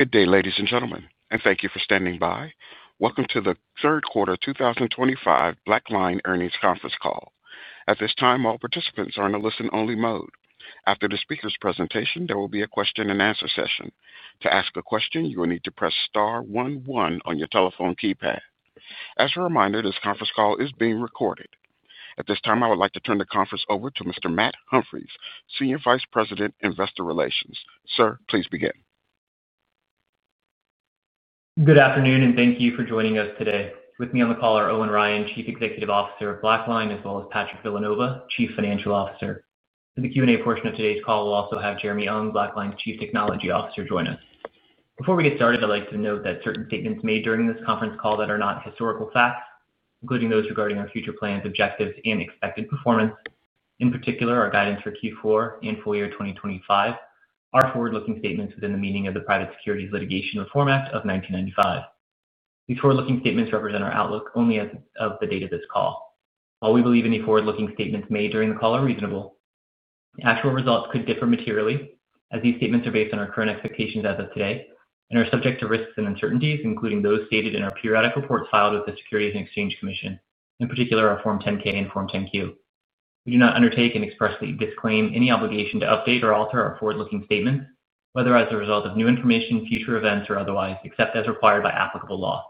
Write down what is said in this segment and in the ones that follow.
Good day, ladies and gentlemen, and thank you for standing by. Welcome to the third quarter 2025 BlackLine earnings conference call. At this time, all participants are in a listen-only mode. After the speaker's presentation, there will be a question-and-answer session. To ask a question, you will need to press star one one on your telephone keypad. As a reminder, this conference call is being recorded. At this time, I would like to turn the conference over to Mr. Matt Humphries, Senior Vice President, Investor Relations. Sir, please begin. Good afternoon, and thank you for joining us today. With me on the call are Owen Ryan, Chief Executive Officer of BlackLine, as well as Patrick Villanova, Chief Financial Officer. For the Q&A portion of today's call, we'll also have Jeremy Ung, BlackLine's Chief Technology Officer, join us. Before we get started, I'd like to note that certain statements made during this conference call that are not historical facts, including those regarding our future plans, objectives, and expected performance, in particular our guidance for Q4 and full year 2025, are forward-looking statements within the meaning of the Private Securities Litigation Reform Act of 1995. These forward-looking statements represent our outlook only as of the date of this call. While we believe any forward-looking statements made during the call are reasonable. The actual results could differ materially as these statements are based on our current expectations as of today and are subject to risks and uncertainties, including those stated in our periodic reports filed with the Securities and Exchange Commission, in particular our Form 10-K and Form 10-Q. We do not undertake and expressly disclaim any obligation to update or alter our forward-looking statements, whether as a result of new information, future events, or otherwise, except as required by applicable law.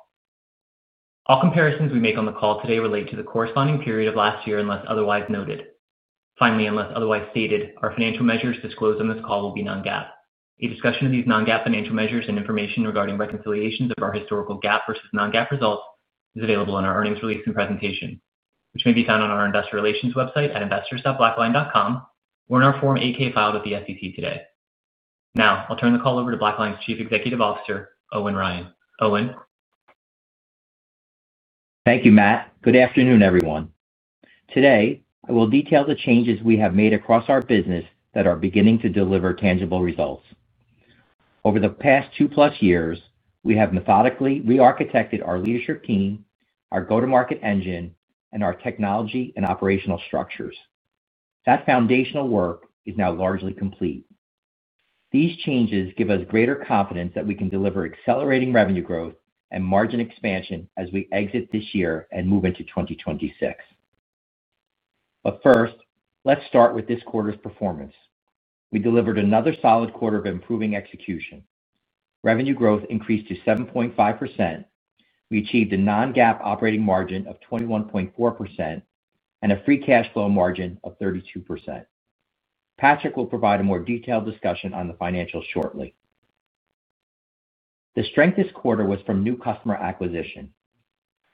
All comparisons we make on the call today relate to the corresponding period of last year unless otherwise noted. Finally, unless otherwise stated, our financial measures disclosed on this call will be Non-GAAP. A discussion of these Non-GAAP financial measures and information regarding reconciliations of our historical GAAP versus Non-GAAP results is available in our earnings release and presentation, which may be found on our Investor Relations website at investors.blackline.com or in our Form 8-K filed at the SEC today. Now, I'll turn the call over to BlackLine's Chief Executive Officer, Owen Ryan. Owen. Thank you, Matt. Good afternoon, everyone. Today, I will detail the changes we have made across our business that are beginning to deliver tangible results. Over the past 2+ years, we have methodically re-architected our leadership team, our go-to-market engine, and our technology and operational structures. That foundational work is now largely complete. These changes give us greater confidence that we can deliver accelerating revenue growth and margin expansion as we exit this year and move into 2026. First, let's start with this quarter's performance. We delivered another solid quarter of improving execution. Revenue growth increased to 7.5%. We achieved a Non-GAAP operating margin of 21.4% and a free cash flow margin of 32%. Patrick will provide a more detailed discussion on the financials shortly. The strength this quarter was from new customer acquisition.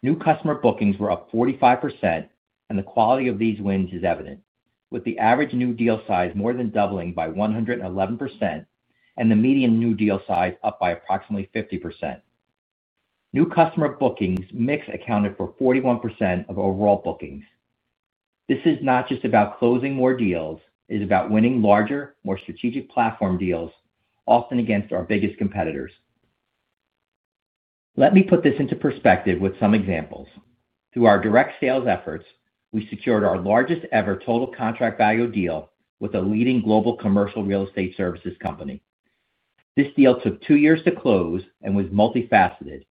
New customer bookings were up 45%, and the quality of these wins is evident, with the average new deal size more than doubling by 111% and the median new deal size up by approximately 50%. New customer bookings mix accounted for 41% of overall bookings. This is not just about closing more deals; it is about winning larger, more strategic platform deals, often against our biggest competitors. Let me put this into perspective with some examples. Through our direct sales efforts, we secured our largest-ever total contract value deal with a leading global commercial real estate services company. This deal took two years to close and was multifaceted,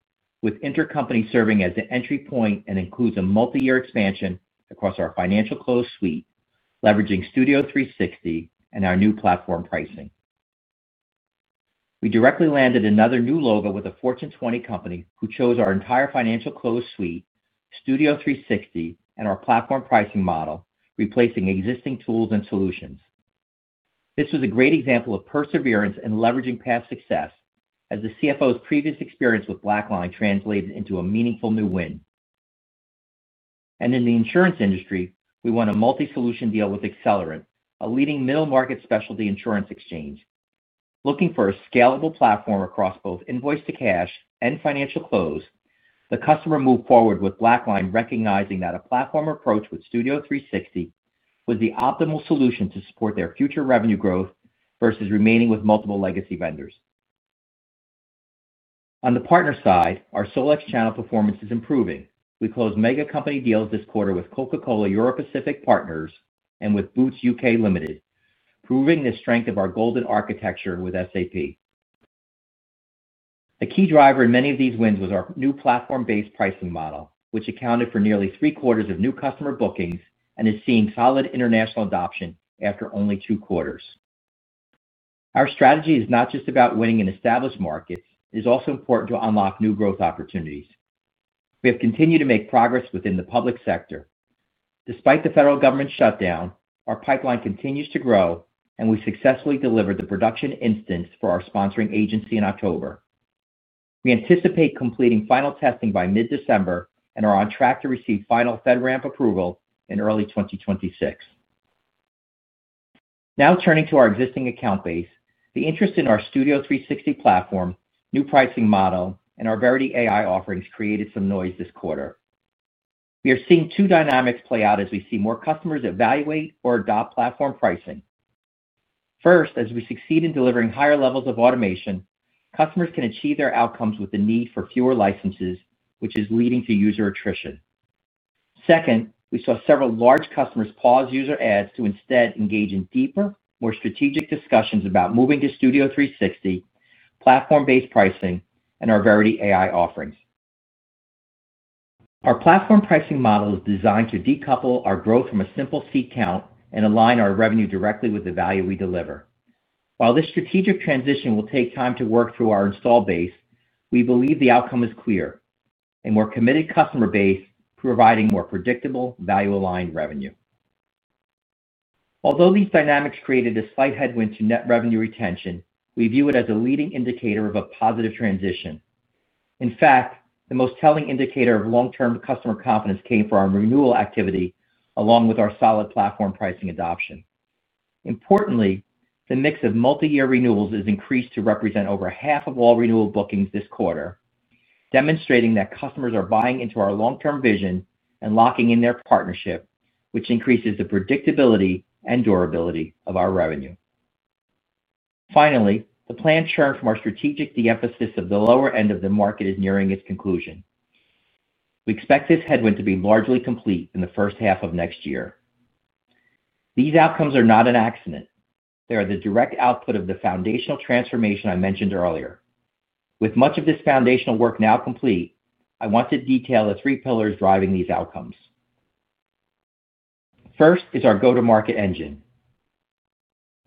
with intercompany serving as the entry point and includes a multi-year expansion across our financial close suite, leveraging Studio 360 and our new platform pricing. We directly landed another new logo with a Fortune 20 company who chose our entire Financial Close Suite, Studio 360, and our platform pricing model, replacing existing tools and solutions. This was a great example of perseverance in leveraging past success, as the CFO's previous experience with BlackLine translated into a meaningful new win. In the insurance industry, we won a multi-solution deal with Accelerant, a leading middle-market specialty insurance exchange. Looking for a scalable platform across both Invoice to Cash and financial close, the customer moved forward with BlackLine recognizing that a platform approach with Studio 360 was the optimal solution to support their future revenue growth versus remaining with multiple legacy vendors. On the partner side, our Solex channel performance is improving. We closed mega company deals this quarter with Coca-Cola Europa Pacific Partners and with Boots U.K. Limited, proving the strength of our golden architecture with SAP. A key driver in many of these wins was our new platform-based pricing model, which accounted for nearly three-quarters of new customer bookings and is seeing solid international adoption after only two quarters. Our strategy is not just about winning in established markets; it is also important to unlock new growth opportunities. We have continued to make progress within the public sector. Despite the federal government shutdown, our pipeline continues to grow, and we successfully delivered the production instance for our sponsoring agency in October. We anticipate completing final testing by mid-December and are on track to receive final FedRAMP approval in early 2026. Now turning to our existing account base, the interest in our Studio 360 platform, new pricing model, and our Verity AI offerings created some noise this quarter. We are seeing two dynamics play out as we see more customers evaluate or adopt platform pricing. First, as we succeed in delivering higher levels of automation, customers can achieve their outcomes with the need for fewer licenses, which is leading to user attrition. Second, we saw several large customers pause user adds to instead engage in deeper, more strategic discussions about moving to Studio 360, platform-based pricing, and our Verity AI offerings. Our platform pricing model is designed to decouple our growth from a simple seat count and align our revenue directly with the value we deliver. While this strategic transition will take time to work through our install base, we believe the outcome is clear, and we're a committed customer base providing more predictable, value-aligned revenue. Although these dynamics created a slight headwind to net revenue retention, we view it as a leading indicator of a positive transition. In fact, the most telling indicator of long-term customer confidence came from our renewal activity along with our solid platform pricing adoption. Importantly, the mix of multi-year renewals has increased to represent over half of all renewal bookings this quarter, demonstrating that customers are buying into our long-term vision and locking in their partnership, which increases the predictability and durability of our revenue. Finally, the planned churn from our strategic de-emphasis of the lower end of the market is nearing its conclusion. We expect this headwind to be largely complete in the first half of next year. These outcomes are not an accident. They are the direct output of the foundational transformation I mentioned earlier. With much of this foundational work now complete, I want to detail the three pillars driving these outcomes. First is our go-to-market engine.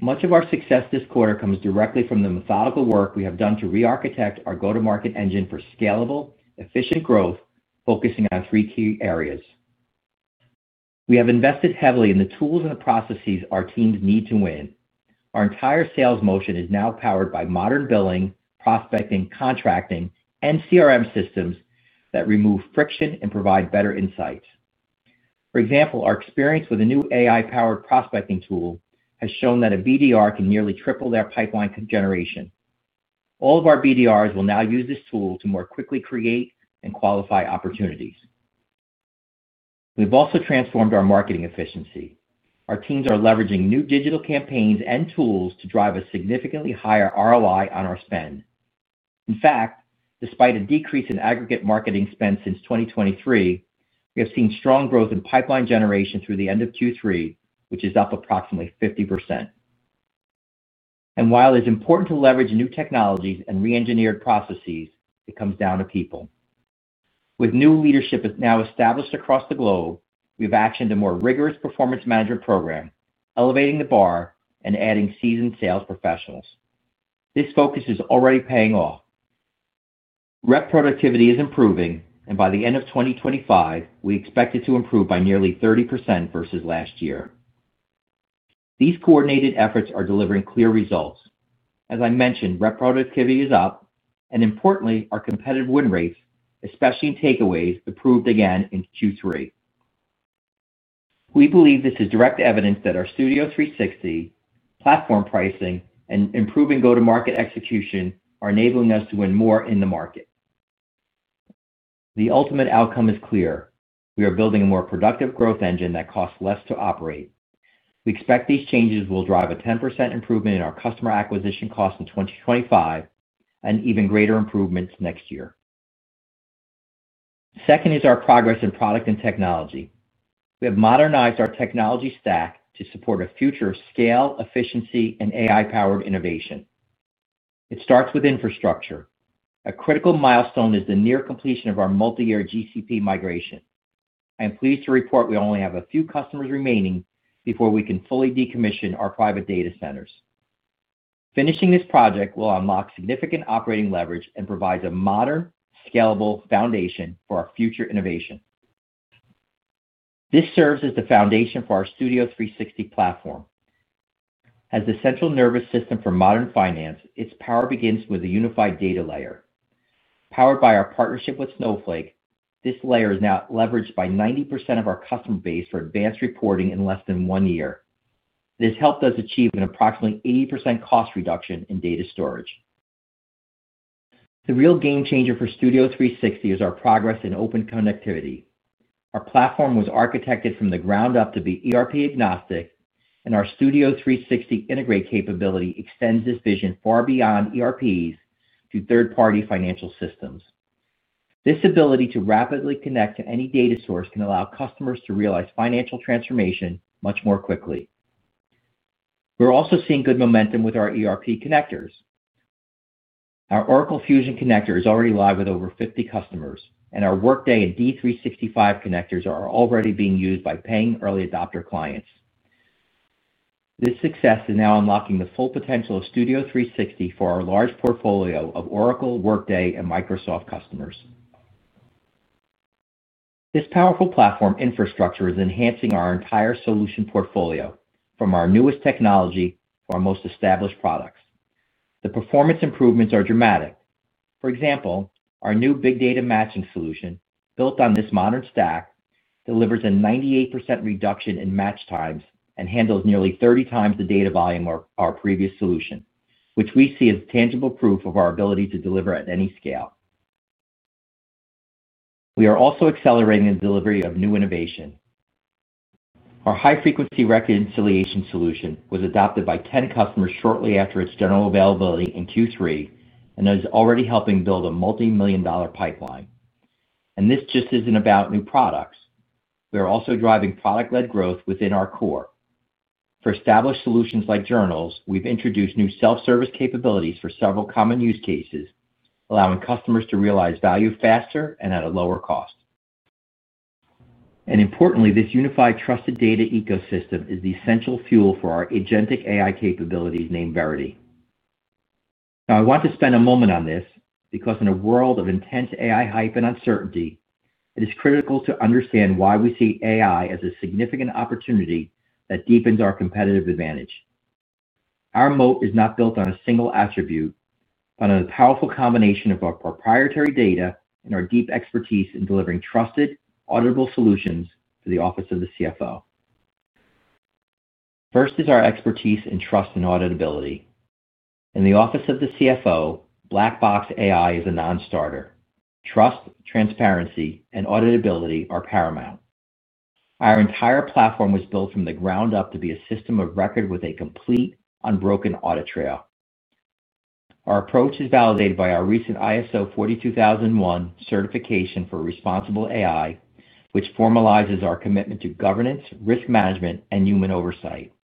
Much of our success this quarter comes directly from the methodical work we have done to re-architect our go-to-market engine for scalable, efficient growth, focusing on three key areas. We have invested heavily in the tools and the processes our teams need to win. Our entire sales motion is now powered by modern billing, prospecting, contracting, and CRM systems that remove friction and provide better insights. For example, our experience with a new AI-powered prospecting tool has shown that a BDR can nearly triple their pipeline generation. All of our BDRs will now use this tool to more quickly create and qualify opportunities. We've also transformed our marketing efficiency. Our teams are leveraging new digital campaigns and tools to drive a significantly higher ROI on our spend. In fact, despite a decrease in aggregate marketing spend since 2023, we have seen strong growth in pipeline generation through the end of Q3, which is up approximately 50%. While it is important to leverage new technologies and re-engineered processes, it comes down to people. With new leadership now established across the globe, we have actioned a more rigorous performance management program, elevating the bar and adding seasoned sales professionals. This focus is already paying off. Reproductivity is improving, and by the end of 2025, we expect it to improve by nearly 30% versus last year. These coordinated efforts are delivering clear results. As I mentioned, reproductivity is up, and importantly, our competitive win rates, especially in takeaways, improved again in Q3. We believe this is direct evidence that our Studio 360, platform pricing, and improving go-to-market execution are enabling us to win more in the market. The ultimate outcome is clear. We are building a more productive growth engine that costs less to operate. We expect these changes will drive a 10% improvement in our customer acquisition cost in 2025 and even greater improvements next year. Second is our progress in product and technology. We have modernized our technology stack to support a future of scale, efficiency, and AI-powered innovation. It starts with infrastructure. A critical milestone is the near completion of our multi-year GCP migration. I am pleased to report we only have a few customers remaining before we can fully decommission our private data centers. Finishing this project will unlock significant operating leverage and provides a modern, scalable foundation for our future innovation. This serves as the foundation for our Studio 360 platform. As the central nervous system for modern finance, its power begins with a unified data layer. Powered by our partnership with Snowflake, this layer is now leveraged by 90% of our customer base for advanced reporting in less than one year. This helped us achieve an approximately 80% cost reduction in data storage. The real game changer for Studio 360 is our progress in open connectivity. Our platform was architected from the ground up to be ERP-agnostic, and our Studio 360 integrate capability extends this vision far beyond ERPs to third-party financial systems. This ability to rapidly connect to any data source can allow customers to realize financial transformation much more quickly. We're also seeing good momentum with our ERP connectors. Our Oracle Fusion Connector is already live with over 50 customers, and our Workday and D365 Connectors are already being used by paying early adopter clients. This success is now unlocking the full potential of Studio 360 for our large portfolio of Oracle, Workday, and Microsoft customers. This powerful platform infrastructure is enhancing our entire solution portfolio, from our newest technology to our most established products. The performance improvements are dramatic. For example, our new Big Data Matching Solution, built on this modern stack, delivers a 98% reduction in match times and handles nearly 30 times the data volume of our previous solution, which we see as tangible proof of our ability to deliver at any scale. We are also accelerating the delivery of new innovation. Our high-frequency reconciliation solution was adopted by 10 customers shortly after its general availability in Q3 and is already helping build a multi-million dollar pipeline. This just is not about new products. We are also driving product-led growth within our core. For established solutions like journals, we have introduced new self-service capabilities for several common use cases, allowing customers to realize value faster and at a lower cost. Importantly, this unified trusted data ecosystem is the essential fuel for our agentic AI capabilities named Verity. Now, I want to spend a moment on this because in a world of intense AI hype and uncertainty, it is critical to understand why we see AI as a significant opportunity that deepens our competitive advantage. Our moat is not built on a single attribute, but on a powerful combination of our proprietary data and our deep expertise in delivering trusted, auditable solutions for the Office of the CFO. First is our expertise in trust and auditability. In the Office of the CFO, BlackBox AI is a non-starter. Trust, transparency, and auditability are paramount. Our entire platform was built from the ground up to be a system of record with a complete, unbroken audit trail. Our approach is validated by our recent ISO 42001 certification for responsible AI, which formalizes our commitment to governance, risk management, and human oversight.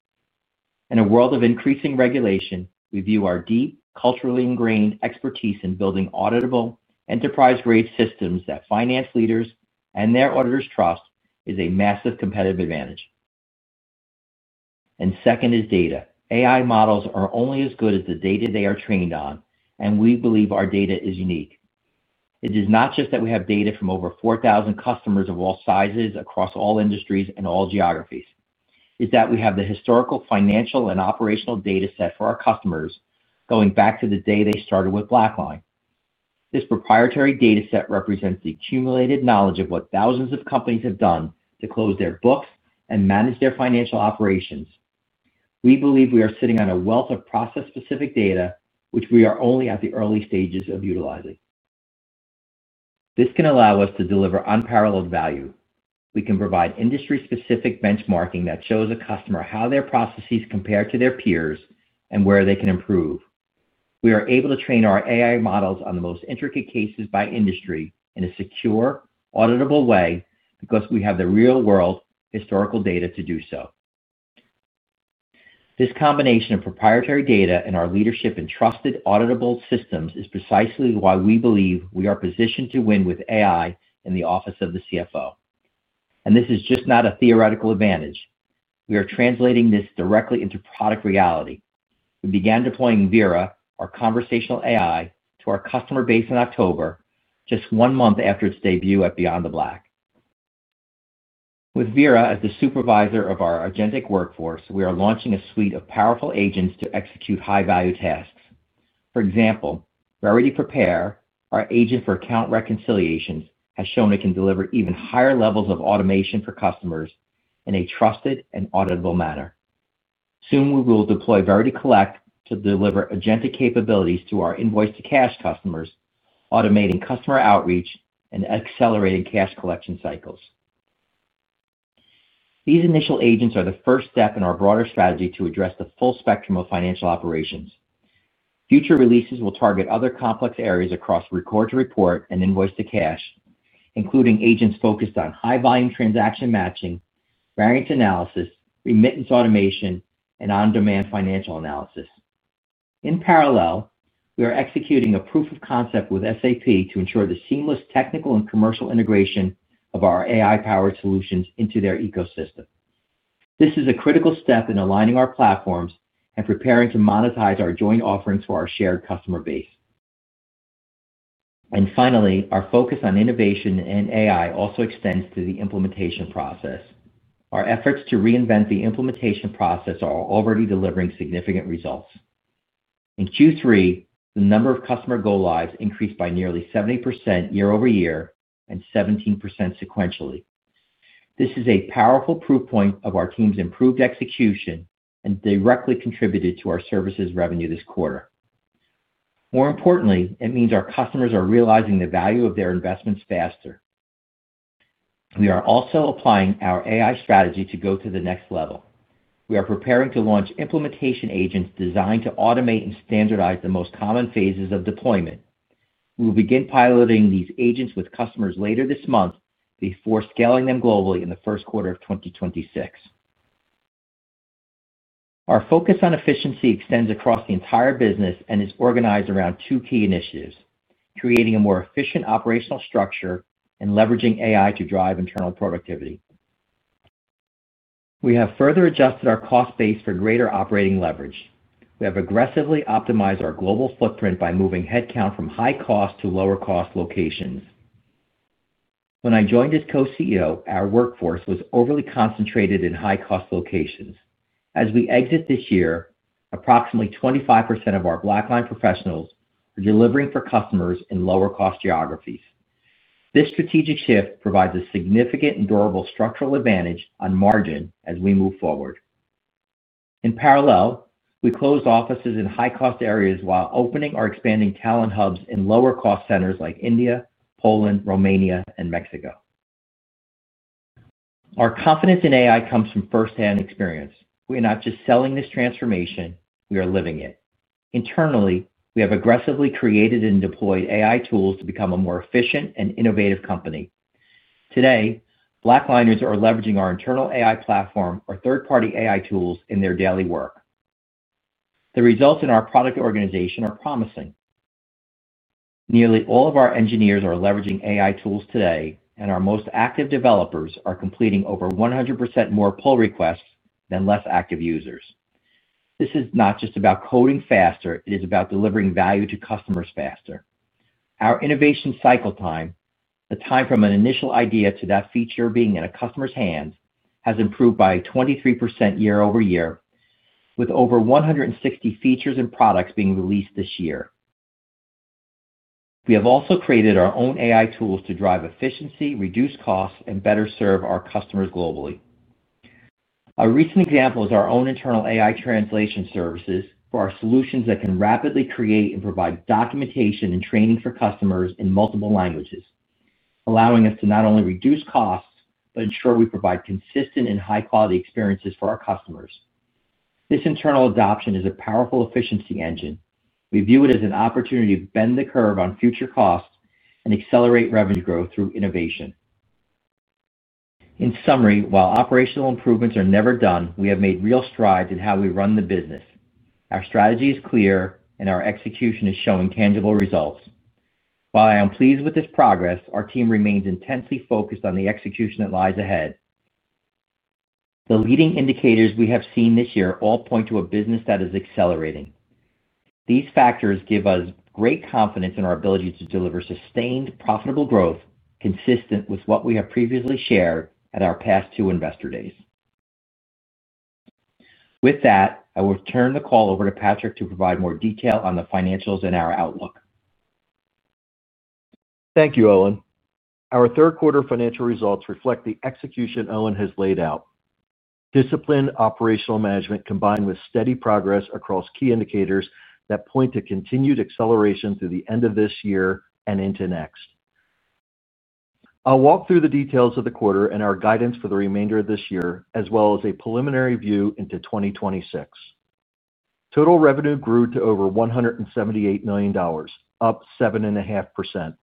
In a world of increasing regulation, we view our deep, culturally ingrained expertise in building auditable, enterprise-grade systems that finance leaders and their auditors trust is a massive competitive advantage. Second is data. AI models are only as good as the data they are trained on, and we believe our data is unique. It is not just that we have data from over 4,000 customers of all sizes, across all industries, and all geographies. It is that we have the historical financial and operational data set for our customers going back to the day they started with BlackLine. This proprietary data set represents the accumulated knowledge of what thousands of companies have done to close their books and manage their financial operations. We believe we are sitting on a wealth of process-specific data, which we are only at the early stages of utilizing. This can allow us to deliver unparalleled value. We can provide industry-specific benchmarking that shows a customer how their processes compare to their peers and where they can improve. We are able to train our AI models on the most intricate cases by industry in a secure, auditable way because we have the real-world, historical data to do so. This combination of proprietary data and our leadership in trusted, auditable systems is precisely why we believe we are positioned to win with AI in the Office of the CFO. This is just not a theoretical advantage. We are translating this directly into product reality. We began deploying Vera, our conversational AI, to our customer base in October, just one month after its debut at Beyond the Black. With Vera as the supervisor of our agentic workforce, we are launching a suite of powerful agents to execute high-value tasks. For example, Verity Prepare, our agent for account reconciliations, has shown it can deliver even higher levels of automation for customers in a trusted and auditable manner. Soon, we will deploy Verity Collect to deliver agentic capabilities to our invoice-to-cash customers, automating customer outreach and accelerating cash collection cycles. These initial agents are the first step in our broader strategy to address the full spectrum of financial operations. Future releases will target other complex areas across record-to-report and invoice-to-cash, including agents focused on high-volume transaction matching, variance analysis, remittance automation, and on-demand financial analysis. In parallel, we are executing a proof of concept with SAP to ensure the seamless technical and commercial integration of our AI-powered solutions into their ecosystem. This is a critical step in aligning our platforms and preparing to monetize our joint offerings for our shared customer base. Our focus on innovation and AI also extends to the implementation process. Our efforts to reinvent the implementation process are already delivering significant results. In Q3, the number of customer go-lives increased by nearly 70% year-over-year and 17% sequentially. This is a powerful proof point of our team's improved execution and directly contributed to our services revenue this quarter. More importantly, it means our customers are realizing the value of their investments faster. We are also applying our AI strategy to go to the next level. We are preparing to launch implementation agents designed to automate and standardize the most common phases of deployment. We will begin piloting these agents with customers later this month before scaling them globally in the first quarter of 2026. Our focus on efficiency extends across the entire business and is organized around two key initiatives: creating a more efficient operational structure and leveraging AI to drive internal productivity. We have further adjusted our cost base for greater operating leverage. We have aggressively optimized our global footprint by moving headcount from high-cost to lower-cost locations. When I joined as co-CEO, our workforce was overly concentrated in high-cost locations. As we exit this year, approximately 25% of our BlackLine professionals are delivering for customers in lower-cost geographies. This strategic shift provides a significant and durable structural advantage on margin as we move forward. In parallel, we closed offices in high-cost areas while opening or expanding talent hubs in lower-cost centers like India, Poland, Romania, and Mexico. Our confidence in AI comes from firsthand experience. We are not just selling this transformation; we are living it. Internally, we have aggressively created and deployed AI tools to become a more efficient and innovative company. Today, BlackLiners are leveraging our internal AI platform or third-party AI tools in their daily work. The results in our product organization are promising. Nearly all of our engineers are leveraging AI tools today, and our most active developers are completing over 100% more pull requests than less active users. This is not just about coding faster; it is about delivering value to customers faster. Our innovation cycle time, the time from an initial idea to that feature being in a customer's hands, has improved by 23% year-over-year, with over 160 features and products being released this year. We have also created our own AI tools to drive efficiency, reduce costs, and better serve our customers globally. A recent example is our own internal AI translation services for our solutions that can rapidly create and provide documentation and training for customers in multiple languages, allowing us to not only reduce costs but ensure we provide consistent and high-quality experiences for our customers. This internal adoption is a powerful efficiency engine. We view it as an opportunity to bend the curve on future costs and accelerate revenue growth through innovation. In summary, while operational improvements are never done, we have made real strides in how we run the business. Our strategy is clear, and our execution is showing tangible results. While I am pleased with this progress, our team remains intensely focused on the execution that lies ahead. The leading indicators we have seen this year all point to a business that is accelerating. These factors give us great confidence in our ability to deliver sustained, profitable growth consistent with what we have previously shared at our past two investor days. With that, I will turn the call over to Patrick to provide more detail on the financials and our outlook. Thank you, Owen. Our third-quarter financial results reflect the execution Owen has laid out. Disciplined operational management combined with steady progress across key indicators that point to continued acceleration through the end of this year and into next. I'll walk through the details of the quarter and our guidance for the remainder of this year, as well as a preliminary view into 2026. Total revenue grew to over $178 million, up 7.5%.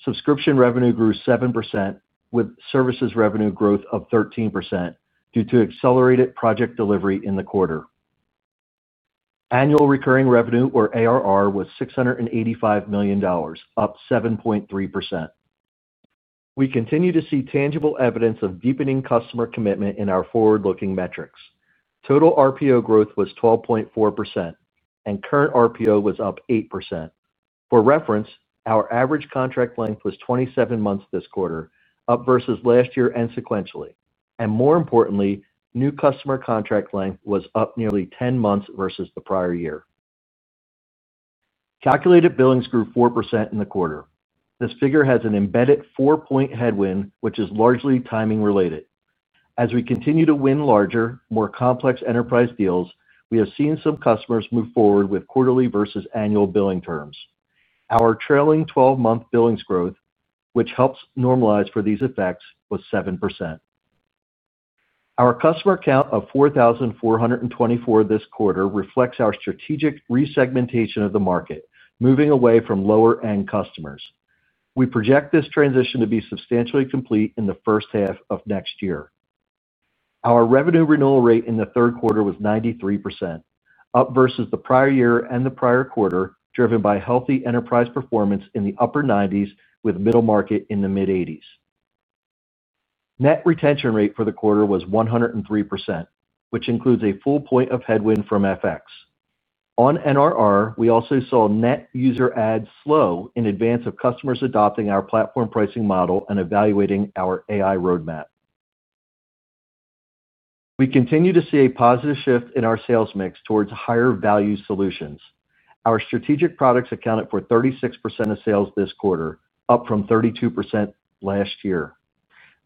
Subscription revenue grew 7%, with services revenue growth of 13% due to accelerated project delivery in the quarter. Annual recurring revenue, or ARR, was $685 million, up 7.3%. We continue to see tangible evidence of deepening customer commitment in our forward-looking metrics. Total RPO growth was 12.4%, and current RPO was up 8%. For reference, our average contract length was 27 months this quarter, up versus last year and sequentially. More importantly, new customer contract length was up nearly 10 months versus the prior year. Calculated billings grew 4% in the quarter. This figure has an embedded four-point headwind, which is largely timing-related. As we continue to win larger, more complex enterprise deals, we have seen some customers move forward with quarterly versus annual billing terms. Our trailing 12-month billings growth, which helps normalize for these effects, was 7%. Our customer count of 4,424 this quarter reflects our strategic resegmentation of the market, moving away from lower-end customers. We project this transition to be substantially complete in the first half of next year. Our revenue renewal rate in the third quarter was 93%, up versus the prior year and the prior quarter, driven by healthy enterprise performance in the upper 90s with middle market in the mid-80s. Net retention rate for the quarter was 103%, which includes a full point of headwind from FX. On NRR, we also saw net user ads slow in advance of customers adopting our platform pricing model and evaluating our AI roadmap. We continue to see a positive shift in our sales mix towards higher-value solutions. Our strategic products accounted for 36% of sales this quarter, up from 32% last year.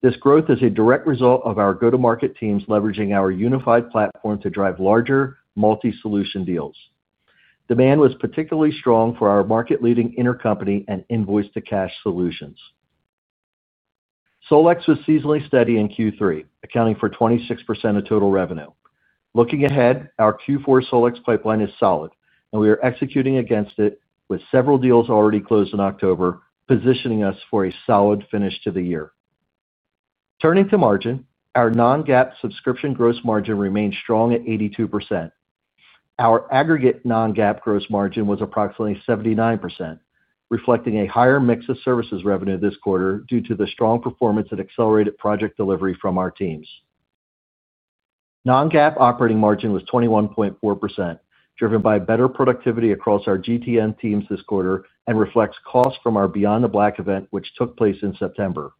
This growth is a direct result of our go-to-market teams leveraging our unified platform to drive larger, multi-solution deals. Demand was particularly strong for our market-leading Intercompany and Invoice to Cash solutions. Solex was seasonally steady in Q3, accounting for 26% of total revenue. Looking ahead, our Q4 Solex pipeline is solid, and we are executing against it with several deals already closed in October, positioning us for a solid finish to the year. Turning to margin, our Non-GAAP subscription gross margin remained strong at 82%. Our aggregate Non-GAAP gross margin was approximately 79%, reflecting a higher mix of services revenue this quarter due to the strong performance and accelerated project delivery from our teams. Non-GAAP operating margin was 21.4%, driven by better productivity across our GTN teams this quarter and reflects costs from our Beyond the Black event, which took place in September.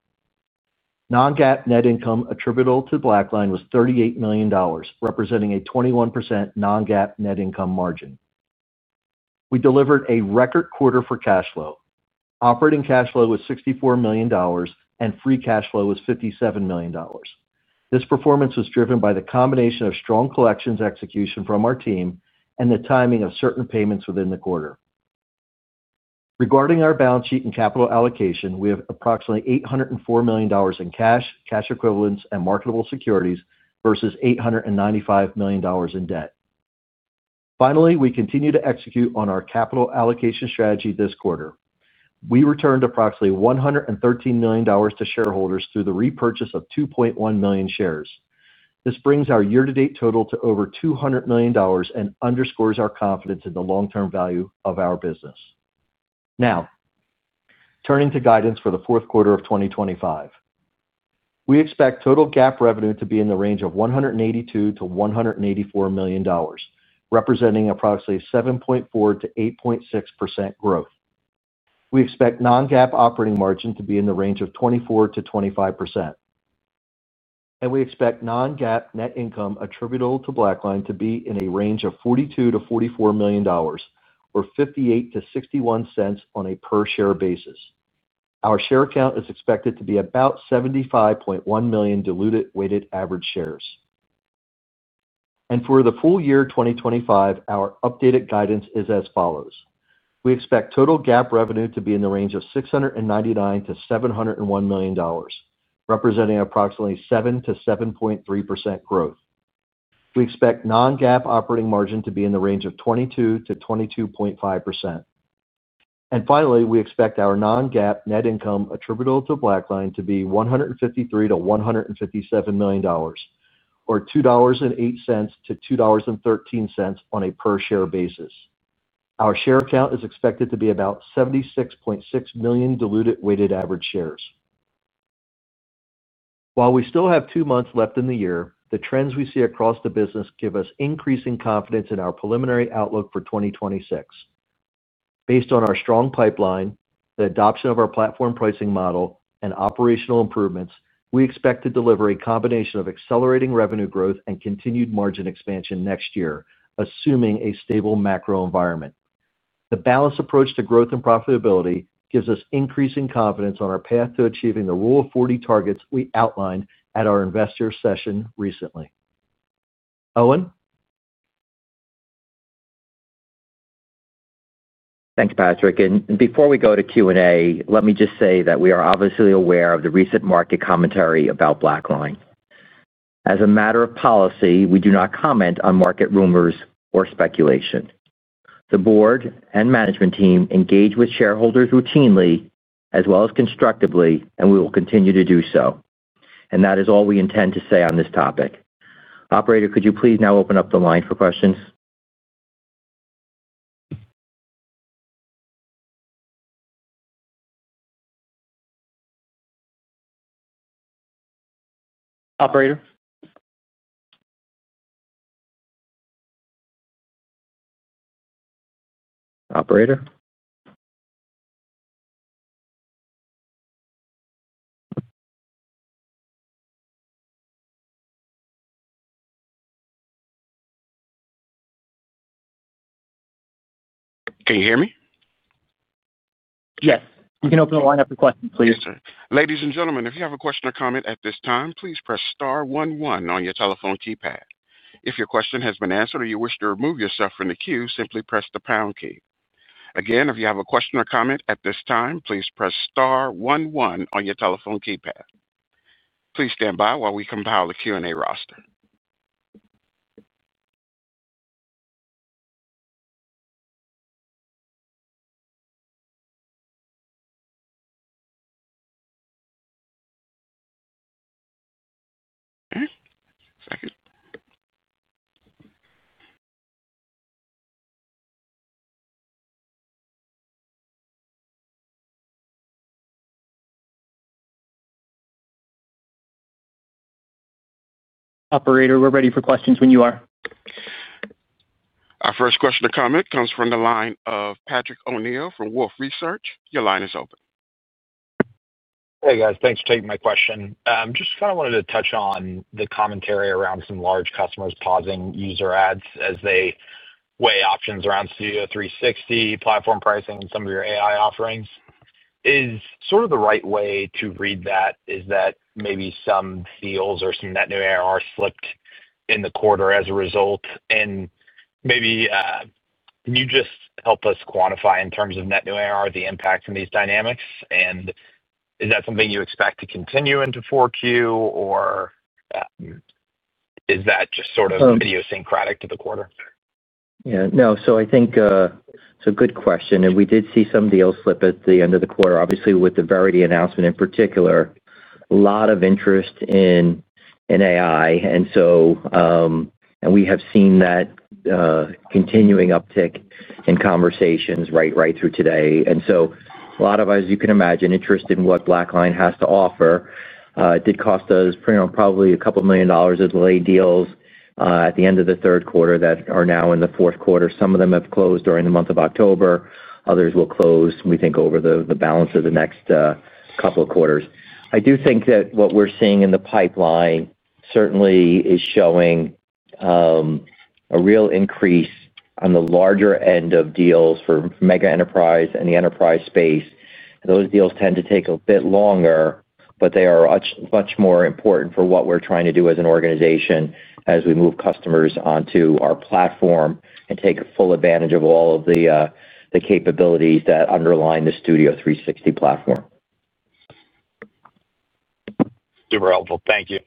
Non-GAAP net income attributable to BlackLine was $38 million, representing a 21% Non-GAAP net income margin. We delivered a record quarter for cash flow. Operating cash flow was $64 million, and free cash flow was $57 million. This performance was driven by the combination of strong collections execution from our team and the timing of certain payments within the quarter. Regarding our balance sheet and capital allocation, we have approximately $804 million in cash, cash equivalents, and marketable securities versus $895 million in debt. Finally, we continue to execute on our capital allocation strategy this quarter. We returned approximately $113 million to shareholders through the repurchase of 2.1 million shares. This brings our year-to-date total to over $200 million and underscores our confidence in the long-term value of our business. Now, turning to guidance for the fourth quarter of 2025. We expect total GAAP revenue to be in the range of $182 million-$184 million, representing approximately 7.4%-8.6% growth. We expect Non-GAAP operating margin to be in the range of 24%-25%. We expect Non-GAAP net income attributable to BlackLine to be in a range of $42 million-$44 million, or $0.58-$0.61 on a per-share basis. Our share count is expected to be about 75.1 million diluted weighted average shares. For the full year 2025, our updated guidance is as follows. We expect total GAAP revenue to be in the range of $699 million-$701 million, representing approximately 7%-7.3% growth. We expect Non-GAAP operating margin to be in the range of 22%-22.5%. Finally, we expect our Non-GAAP net income attributable to BlackLine to be $153 million-$157 million, or $2.08-$2.13 on a per-share basis. Our share count is expected to be about 76.6 million diluted weighted average shares. While we still have two months left in the year, the trends we see across the business give us increasing confidence in our preliminary outlook for 2026. Based on our strong pipeline, the adoption of our platform pricing model, and operational improvements, we expect to deliver a combination of accelerating revenue growth and continued margin expansion next year, assuming a stable macro environment. The balanced approach to growth and profitability gives us increasing confidence on our path to achieving the Rule of 40 targets we outlined at our investor session recently. Owen? Thanks, Patrick. Before we go to Q&A, let me just say that we are obviously aware of the recent market commentary about BlackLine. As a matter of policy, we do not comment on market rumors or speculation. The board and management team engage with shareholders routinely, as well as constructively, and we will continue to do so. That is all we intend to say on this topic. Operator, could you please now open up the line for questions? Operator? Operator? Can you hear me? Yes. You can open the line up for questions, please. Ladies and gentlemen, if you have a question or comment at this time, please press star one one on your telephone keypad. If your question has been answered or you wish to remove yourself from the queue, simply press the pound key. Again, if you have a question or comment at this time, please press star one one on your telephone keypad. Please stand by while we compile the Q&A roster. Okay. Second. Operator, we're ready for questions when you are. Our first question or comment comes from the line of Patrick O'Neill from Wolfe Research. Your line is open. Hey, guys. Thanks for taking my question. Just kind of wanted to touch on the commentary around some large customers pausing user adds as they weigh options around Studio 360, platform pricing, and some of your AI offerings. Is sort of the right way to read that is that maybe some deals or some net new ARR slipped in the quarter as a result, and maybe. Can you just help us quantify in terms of net new ARR the impact in these dynamics? And is that something you expect to continue into Q4, or is that just sort of idiosyncratic to the quarter? Yeah. No. I think it's a good question. We did see some deals slip at the end of the quarter, obviously with the Verity announcement in particular. A lot of interest in AI. We have seen that continuing uptick in conversations right through today. A lot of, as you can imagine, interest in what BlackLine has to offer did cost us probably a couple of million dollars as late deals at the end of the third quarter that are now in the fourth quarter. Some of them have closed during the month of October. Others will close, we think, over the balance of the next couple of quarters. I do think that what we're seeing in the pipeline certainly is showing a real increase on the larger end of deals for mega enterprise and the enterprise space. Those deals tend to take a bit longer, but they are much more important for what we're trying to do as an organization as we move customers onto our platform and take full advantage of all of the capabilities that underline the Studio 360 platform. Super helpful. Thank you.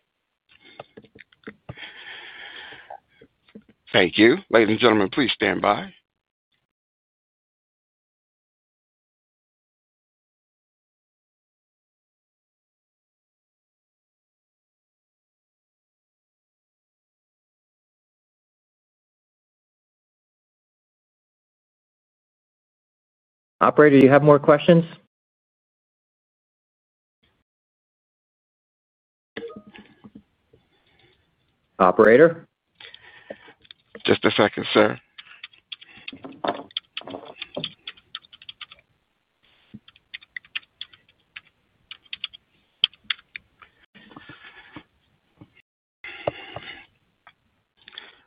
Thank you. Ladies and gentlemen, please stand by. Operator, do you have more questions? Operator? Just a second, sir.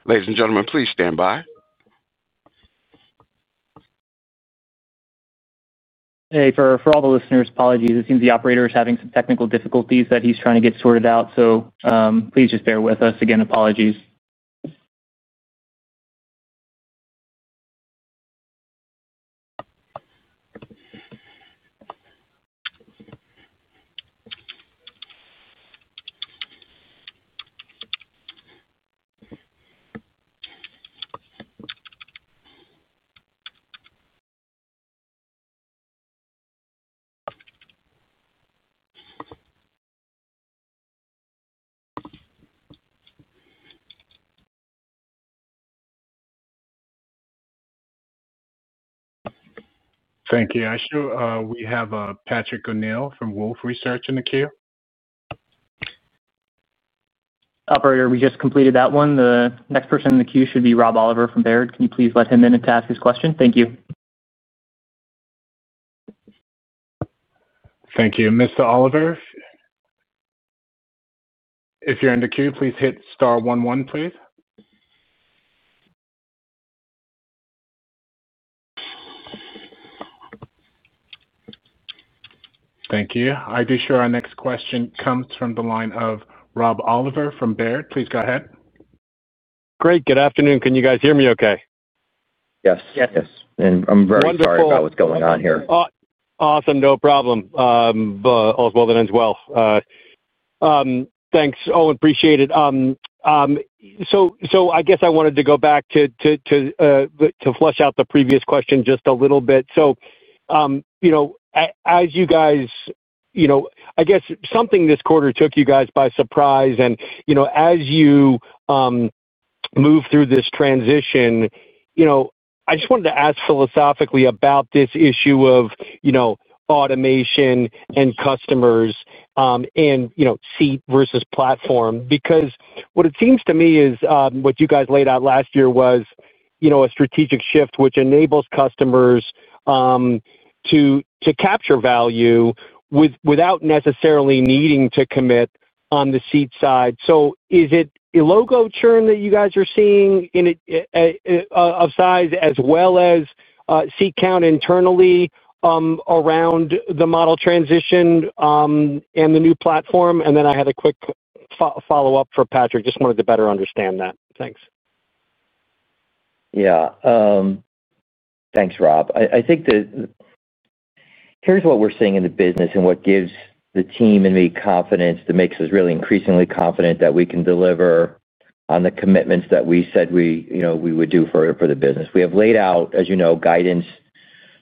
Ladies and gentlemen, please stand by. Hey. For all the listeners, apologies. It seems the operator is having some technical difficulties that he's trying to get sorted out, so please just bear with us. Again, apologies. Thank you. Actually, we have Patrick O'Neill from Wolfe Research in the queue. Operator, we just completed that one. The next person in the queue should be Rob Oliver from Baird. Can you please let him in to ask his question? Thank you. Thank you. Mr. Oliver, if you're in the queue, please hit Star 1-1, please. Thank you. I do show our next question comes from the line of Rob Oliver from Baird. Please go ahead. Great. Good afternoon. Can you guys hear me okay? Yes. Yes. Yes. And I'm very sorry about what's going on here. Wonderful. Awesome. No problem. As well. Thanks. Oh, appreciate it. I guess I wanted to go back to flush out the previous question just a little bit. As you guys, I guess, something this quarter took you guys by surprise. And as you move through this transition. I just wanted to ask philosophically about this issue of automation and customers, and seat versus platform. Because what it seems to me is what you guys laid out last year was a strategic shift which enables customers to capture value without necessarily needing to commit on the seat side. Is it a logo churn that you guys are seeing of size as well as seat count internally around the model transition and the new platform? I had a quick follow-up for Patrick. Just wanted to better understand that. Thanks. Yeah, thanks, Rob. I think here's what we're seeing in the business and what gives the team and me confidence that makes us really increasingly confident that we can deliver on the commitments that we said we would do for the business. We have laid out, as you know, guidance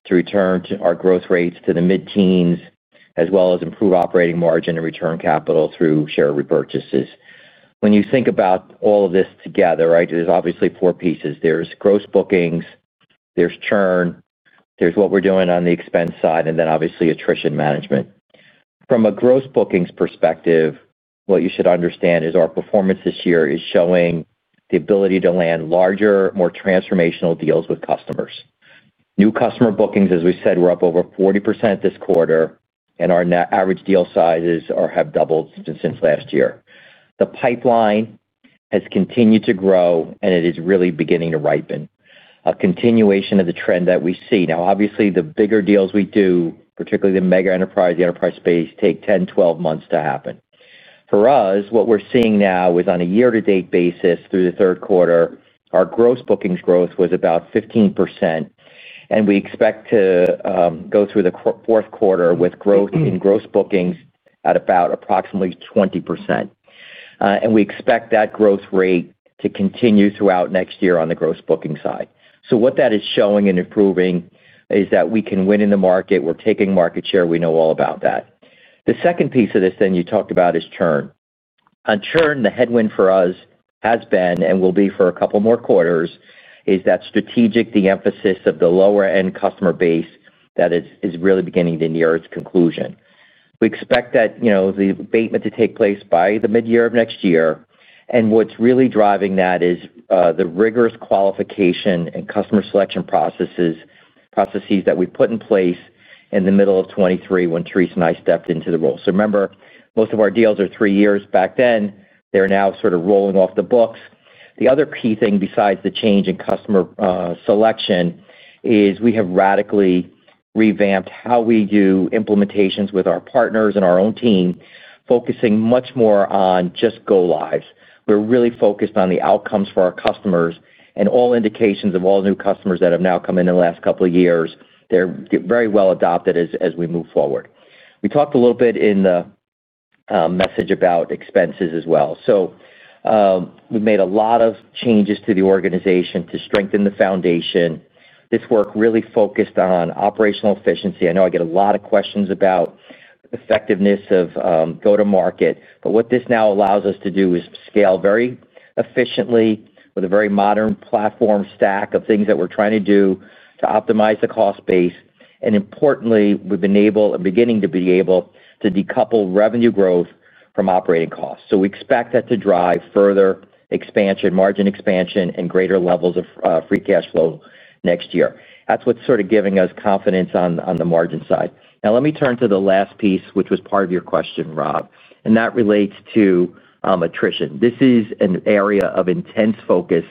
to return to our growth rates to the mid-teens as well as improve operating margin and return capital through share repurchases. When you think about all of this together, right, there is obviously four pieces. There is gross bookings, there is churn, there is what we are doing on the expense side, and then obviously attrition management. From a gross bookings perspective, what you should understand is our performance this year is showing the ability to land larger, more transformational deals with customers. New customer bookings, as we said, were up over 40% this quarter, and our average deal sizes have doubled since last year. The pipeline has continued to grow, and it is really beginning to ripen. A continuation of the trend that we see. Now, obviously, the bigger deals we do, particularly the mega enterprise, the enterprise space, take 10-12 months to happen. For us, what we're seeing now is on a year-to-date basis through the third quarter, our gross bookings growth was about 15%. We expect to go through the fourth quarter with growth in gross bookings at about approximately 20%. We expect that growth rate to continue throughout next year on the gross bookings side. What that is showing and proving is that we can win in the market. We're taking market share. We know all about that. The second piece of this you talked about is churn. On churn, the headwind for us has been and will be for a couple more quarters is that strategic emphasis of the lower-end customer base that is really beginning to near its conclusion. We expect that. The abatement to take place by the mid-year of next year. What's really driving that is the rigorous qualification and customer selection processes that we put in place in the middle of 2023 when Therese and I stepped into the role. Remember, most of our deals are three years. Back then, they're now sort of rolling off the books. The other key thing besides the change in customer selection is we have radically revamped how we do implementations with our partners and our own team, focusing much more on just go-lives. We're really focused on the outcomes for our customers. All indications of all new customers that have now come in in the last couple of years, they're very well adopted as we move forward. We talked a little bit in the message about expenses as well. We made a lot of changes to the organization to strengthen the foundation. This work really focused on operational efficiency. I know I get a lot of questions about effectiveness of go-to-market. What this now allows us to do is scale very efficiently with a very modern platform stack of things that we're trying to do to optimize the cost base. Importantly, we've been able and beginning to be able to decouple revenue growth from operating costs. We expect that to drive further expansion, margin expansion, and greater levels of free cash flow next year. That's what's sort of giving us confidence on the margin side. Now, let me turn to the last piece, which was part of your question, Rob. That relates to attrition. This is an area of intense focus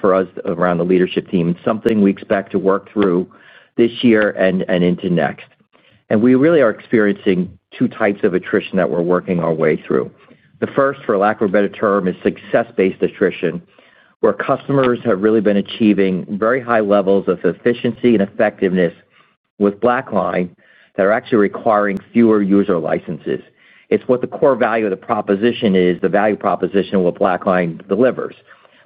for us around the leadership team and something we expect to work through this year and into next. We really are experiencing two types of attrition that we're working our way through. The first, for lack of a better term, is success-based attrition, where customers have really been achieving very high levels of efficiency and effectiveness with BlackLine that are actually requiring fewer user licenses. It's what the core value of the proposition is, the value proposition of what BlackLine delivers.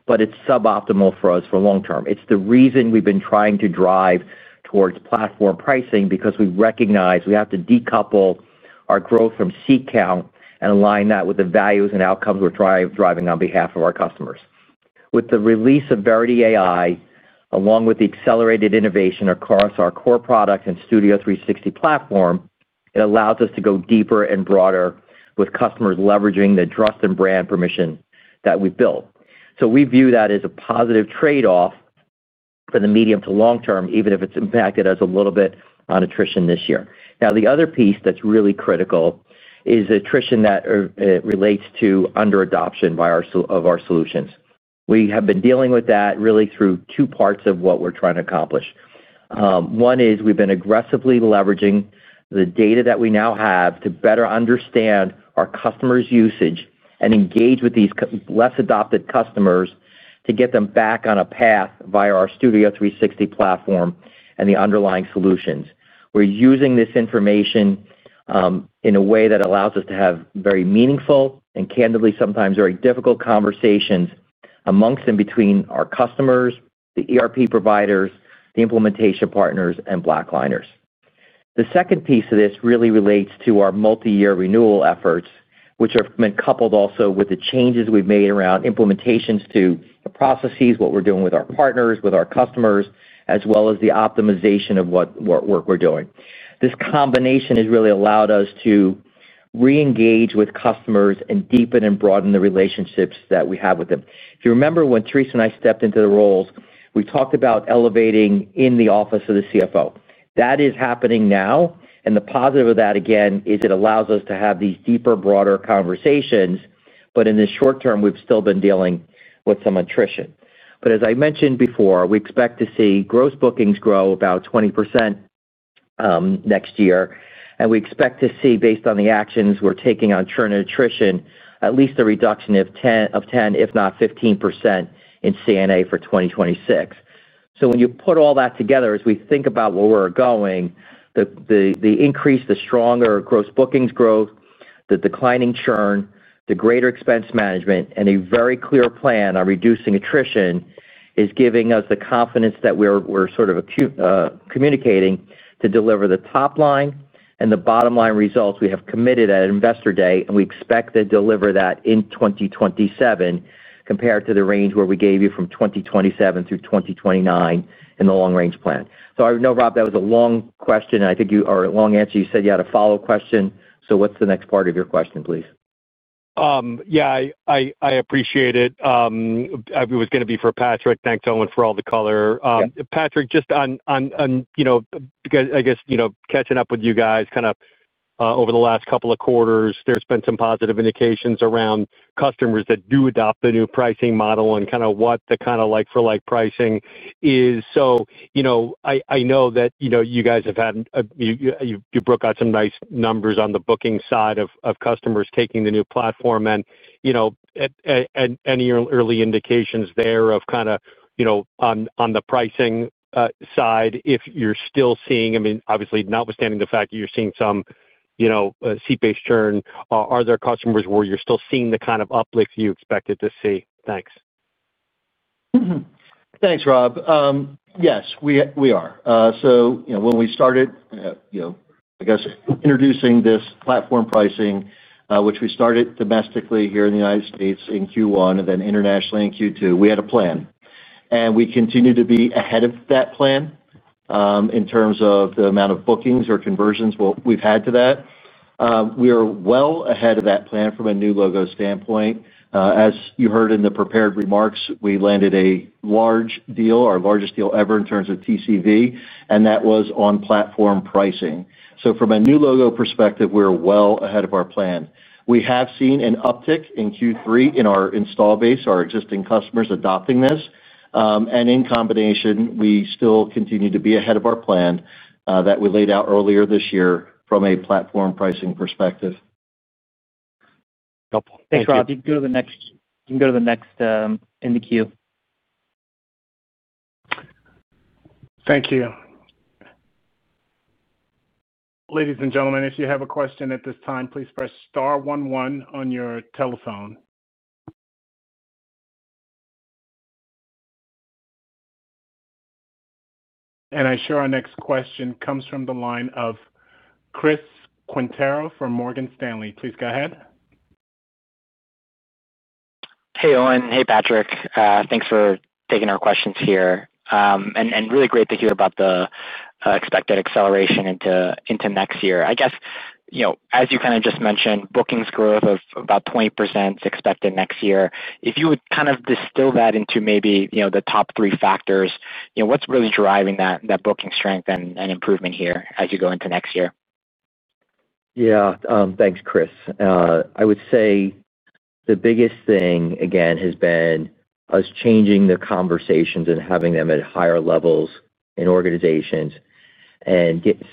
It is suboptimal for us for long term. It is the reason we've been trying to drive towards platform pricing because we recognize we have to decouple our growth from seat count and align that with the values and outcomes we're driving on behalf of our customers. With the release of Verity AI, along with the accelerated innovation across our core product and Studio 360 platform, it allows us to go deeper and broader with customers leveraging the trust and brand permission that we've built. We view that as a positive trade-off. For the medium to long term, even if it's impacted us a little bit on attrition this year. Now, the other piece that's really critical is attrition that relates to under-adoption of our solutions. We have been dealing with that really through two parts of what we're trying to accomplish. One is we've been aggressively leveraging the data that we now have to better understand our customers' usage and engage with these less-adopted customers to get them back on a path via our Studio 360 platform and the underlying solutions. We're using this information in a way that allows us to have very meaningful and, candidly, sometimes very difficult conversations amongst and between our customers, the ERP providers, the implementation partners, and BlackLiners. The second piece of this really relates to our multi-year renewal efforts, which have been coupled also with the changes we've made around implementations to the processes, what we're doing with our partners, with our customers, as well as the optimization of what work we're doing. This combination has really allowed us to re-engage with customers and deepen and broaden the relationships that we have with them. If you remember when Therese and I stepped into the roles, we talked about elevating in the office of the CFO. That is happening now. The positive of that, again, is it allows us to have these deeper, broader conversations. In the short term, we've still been dealing with some attrition. As I mentioned before, we expect to see gross bookings grow about 20% next year. We expect to see, based on the actions we're taking on churn and attrition, at least a reduction of 10%, if not 15%, in CNA for 2026. When you put all that together, as we think about where we're going, the increase, the stronger gross bookings growth, the declining churn, the greater expense management, and a very clear plan on reducing attrition is giving us the confidence that we're sort of communicating to deliver the top line and the bottom line results we have committed at investor day. We expect to deliver that in 2027 compared to the range where we gave you from 2027 through 2029 in the long-range plan. I know, Rob, that was a long question. I think you, or a long answer. You said you had a follow-up question. What's the next part of your question, please? Yeah. I appreciate it. It was going to be for Patrick. Thanks, Owen, for all the color. Patrick, just on, I guess catching up with you guys kind of over the last couple of quarters, there's been some positive indications around customers that do adopt the new pricing model and kind of what the kind of like-for-like pricing is. I know that you guys have had, you broke out some nice numbers on the booking side of customers taking the new platform and any early indications there of kind of, on the pricing side if you're still seeing, I mean, obviously, notwithstanding the fact that you're seeing some seat-based churn, are there customers where you're still seeing the kind of uplift you expected to see? Thanks. Thanks, Rob. Yes, we are. So when we started. I guess, introducing this platform pricing, which we started domestically here in the United States in Q1 and then internationally in Q2, we had a plan. And we continue to be ahead of that plan. In terms of the amount of bookings or conversions we've had to that. We are well ahead of that plan from a new logo standpoint. As you heard in the prepared remarks, we landed a large deal, our largest deal ever in terms of TCV, and that was on platform pricing. From a new logo perspective, we're well ahead of our plan. We have seen an uptick in Q3 in our install base, our existing customers adopting this. In combination, we still continue to be ahead of our plan that we laid out earlier this year from a platform pricing perspective. Cool. Thanks, Rob. You can go to the next in the queue. Thank you. Ladies and gentlemen, if you have a question at this time, please press star one one on your telephone. I assure our next question comes from the line of Chris Quintero from Morgan Stanley. Please go ahead. Hey, Owen. Hey, Patrick. Thanks for taking our questions here. Really great to hear about the expected acceleration into next year. I guess as you kind of just mentioned, bookings growth of about 20% is expected next year. If you would kind of distill that into maybe the top three factors, what is really driving that booking strength and improvement here as you go into next year? Yeah. Thanks, Chris. I would say. The biggest thing, again, has been us changing the conversations and having them at higher levels in organizations and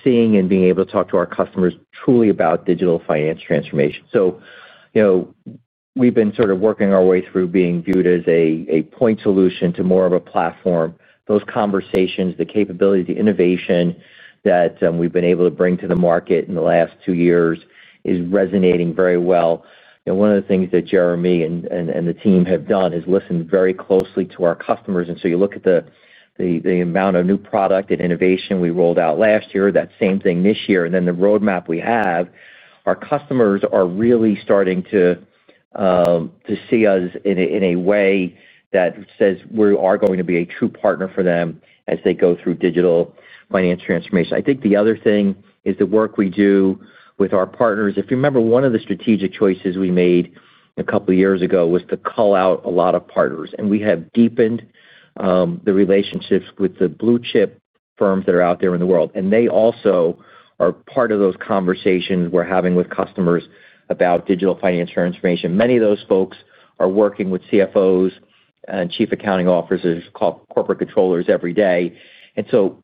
seeing and being able to talk to our customers truly about digital finance transformation. We have been sort of working our way through being viewed as a point solution to more of a platform. Those conversations, the capabilities, the innovation that we have been able to bring to the market in the last two years is resonating very well. One of the things that Jeremy and the team have done is listen very closely to our customers. You look at the amount of new product and innovation we rolled out last year, that same thing this year, and then the roadmap we have, our customers are really starting to. See us in a way that says we are going to be a true partner for them as they go through digital finance transformation. I think the other thing is the work we do with our partners. If you remember, one of the strategic choices we made a couple of years ago was to call out a lot of partners. We have deepened the relationships with the blue-chip firms that are out there in the world. They also are part of those conversations we're having with customers about digital finance transformation. Many of those folks are working with CFOs and chief accounting officers called corporate controllers every day.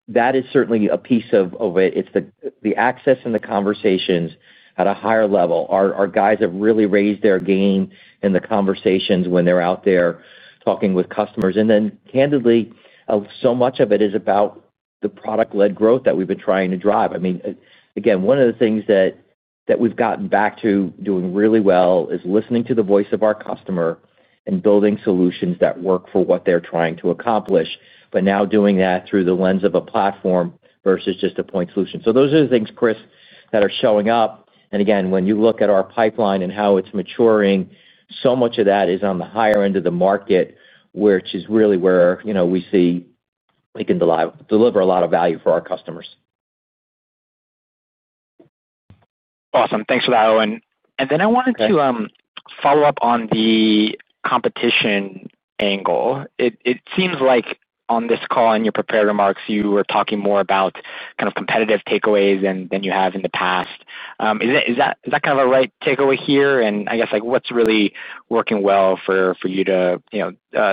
That is certainly a piece of it. It's the access and the conversations at a higher level. Our guys have really raised their game in the conversations when they're out there talking with customers. Then, candidly, so much of it is about the product-led growth that we've been trying to drive. I mean, again, one of the things that we've gotten back to doing really well is listening to the voice of our customer and building solutions that work for what they're trying to accomplish, but now doing that through the lens of a platform versus just a point solution. Those are the things, Chris, that are showing up. Again, when you look at our pipeline and how it's maturing, so much of that is on the higher end of the market, which is really where we see we can deliver a lot of value for our customers. Awesome. Thanks for that, Owen. I wanted to follow up on the competition angle. It seems like on this call and your prepared remarks, you were talking more about kind of competitive takeaways than you have in the past. Is that kind of a right takeaway here? I guess what's really working well for you to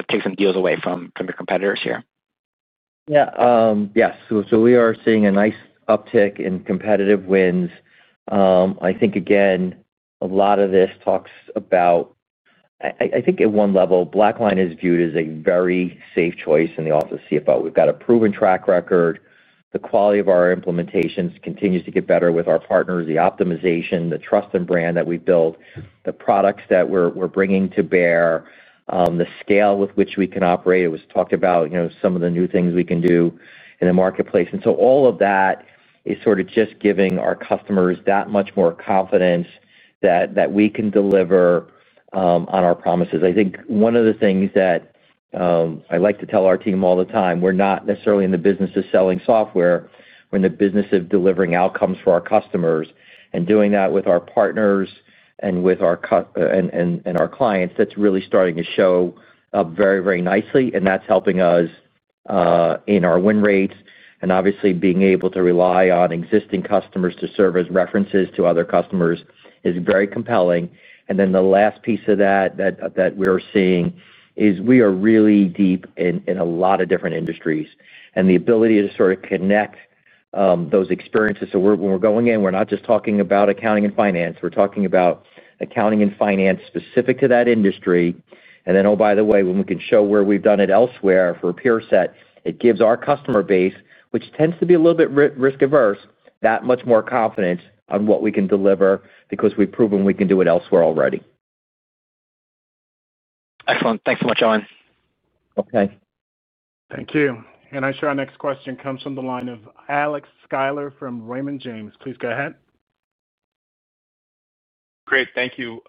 take some deals away from your competitors here? Yeah. Yes. We are seeing a nice uptick in competitive wins. I think, again, a lot of this talks about, I think at one level, BlackLine is viewed as a very safe choice in the office of CFO. We've got a proven track record. The quality of our implementations continues to get better with our partners, the optimization, the trust and brand that we build, the products that we're bringing to bear, the scale with which we can operate. It was talked about, some of the new things we can do in the marketplace. All of that is sort of just giving our customers that much more confidence that we can deliver on our promises. I think one of the things that I like to tell our team all the time, we're not necessarily in the business of selling software. We're in the business of delivering outcomes for our customers. Doing that with our partners and with our clients, that's really starting to show up very, very nicely. That's helping us in our win rates. Obviously, being able to rely on existing customers to serve as references to other customers is very compelling. The last piece of that that we are seeing is we are really deep in a lot of different industries. The ability to sort of connect those experiences, so when we're going in, we're not just talking about accounting and finance. We're talking about accounting and finance specific to that industry. Oh, by the way, when we can show where we've done it elsewhere for a peer set, it gives our customer base, which tends to be a little bit risk-averse, that much more confidence on what we can deliver because we've proven we can do it elsewhere already. Excellent. Thanks so much, Owen. Thank you. I assure our next question comes from the line of Alex Sklar from Raymond James. Please go ahead. Great. Thank you.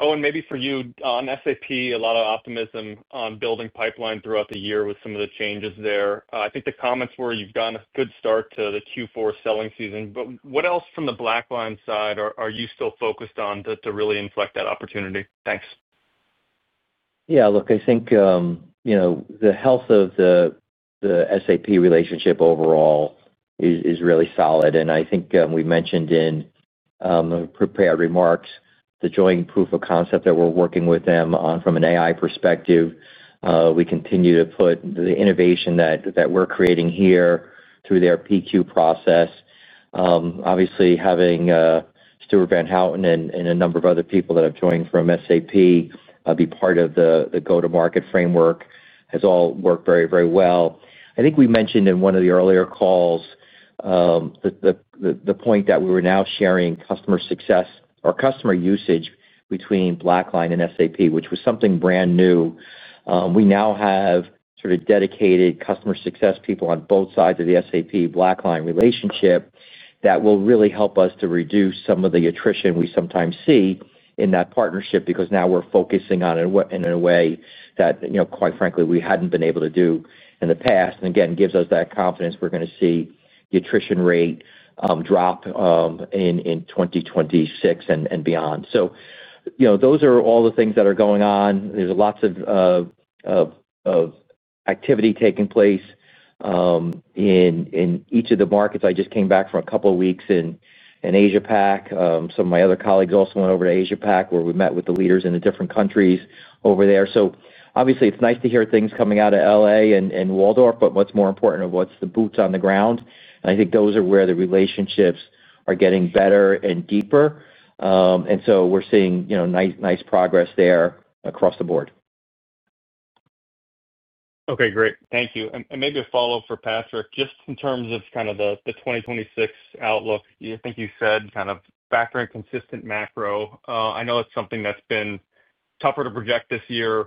Owen, maybe for you, on SAP, a lot of optimism on building pipeline throughout the year with some of the changes there. I think the comments were you've gotten a good start to the Q4 selling season. What else from the BlackLine side are you still focused on to really inflect that opportunity? Thanks. Yeah. Look, I think. The health of the SAP relationship overall is really solid. I think we mentioned in the prepared remarks the joint proof of concept that we're working with them on from an AI perspective. We continue to put the innovation that we're creating here through their PQ process. Obviously, having Stuart Van Houten and a number of other people that have joined from SAP be part of the go-to-market framework has all worked very, very well. I think we mentioned in one of the earlier calls the point that we were now sharing customer success or customer usage between BlackLine and SAP, which was something brand new. We now have sort of dedicated customer success people on both sides of the SAP-BlackLine relationship that will really help us to reduce some of the attrition we sometimes see in that partnership because now we're focusing on it in a way that, quite frankly, we hadn't been able to do in the past. It gives us that confidence we're going to see the attrition rate drop in 2026 and beyond. Those are all the things that are going on. There's lots of activity taking place in each of the markets. I just came back for a couple of weeks in Asia-Pacific. Some of my other colleagues also went over to Asia-Pacific where we met with the leaders in the different countries over there. Obviously, it's nice to hear things coming out of LA and Waldorf, but what's more important are what's the boots on the ground. I think those are where the relationships are getting better and deeper. We're seeing nice progress there across the board. Okay. Great. Thank you. Maybe a follow-up for Patrick, just in terms of kind of the 2026 outlook. I think you said kind of factoring consistent macro. I know it's something that's been tougher to project this year.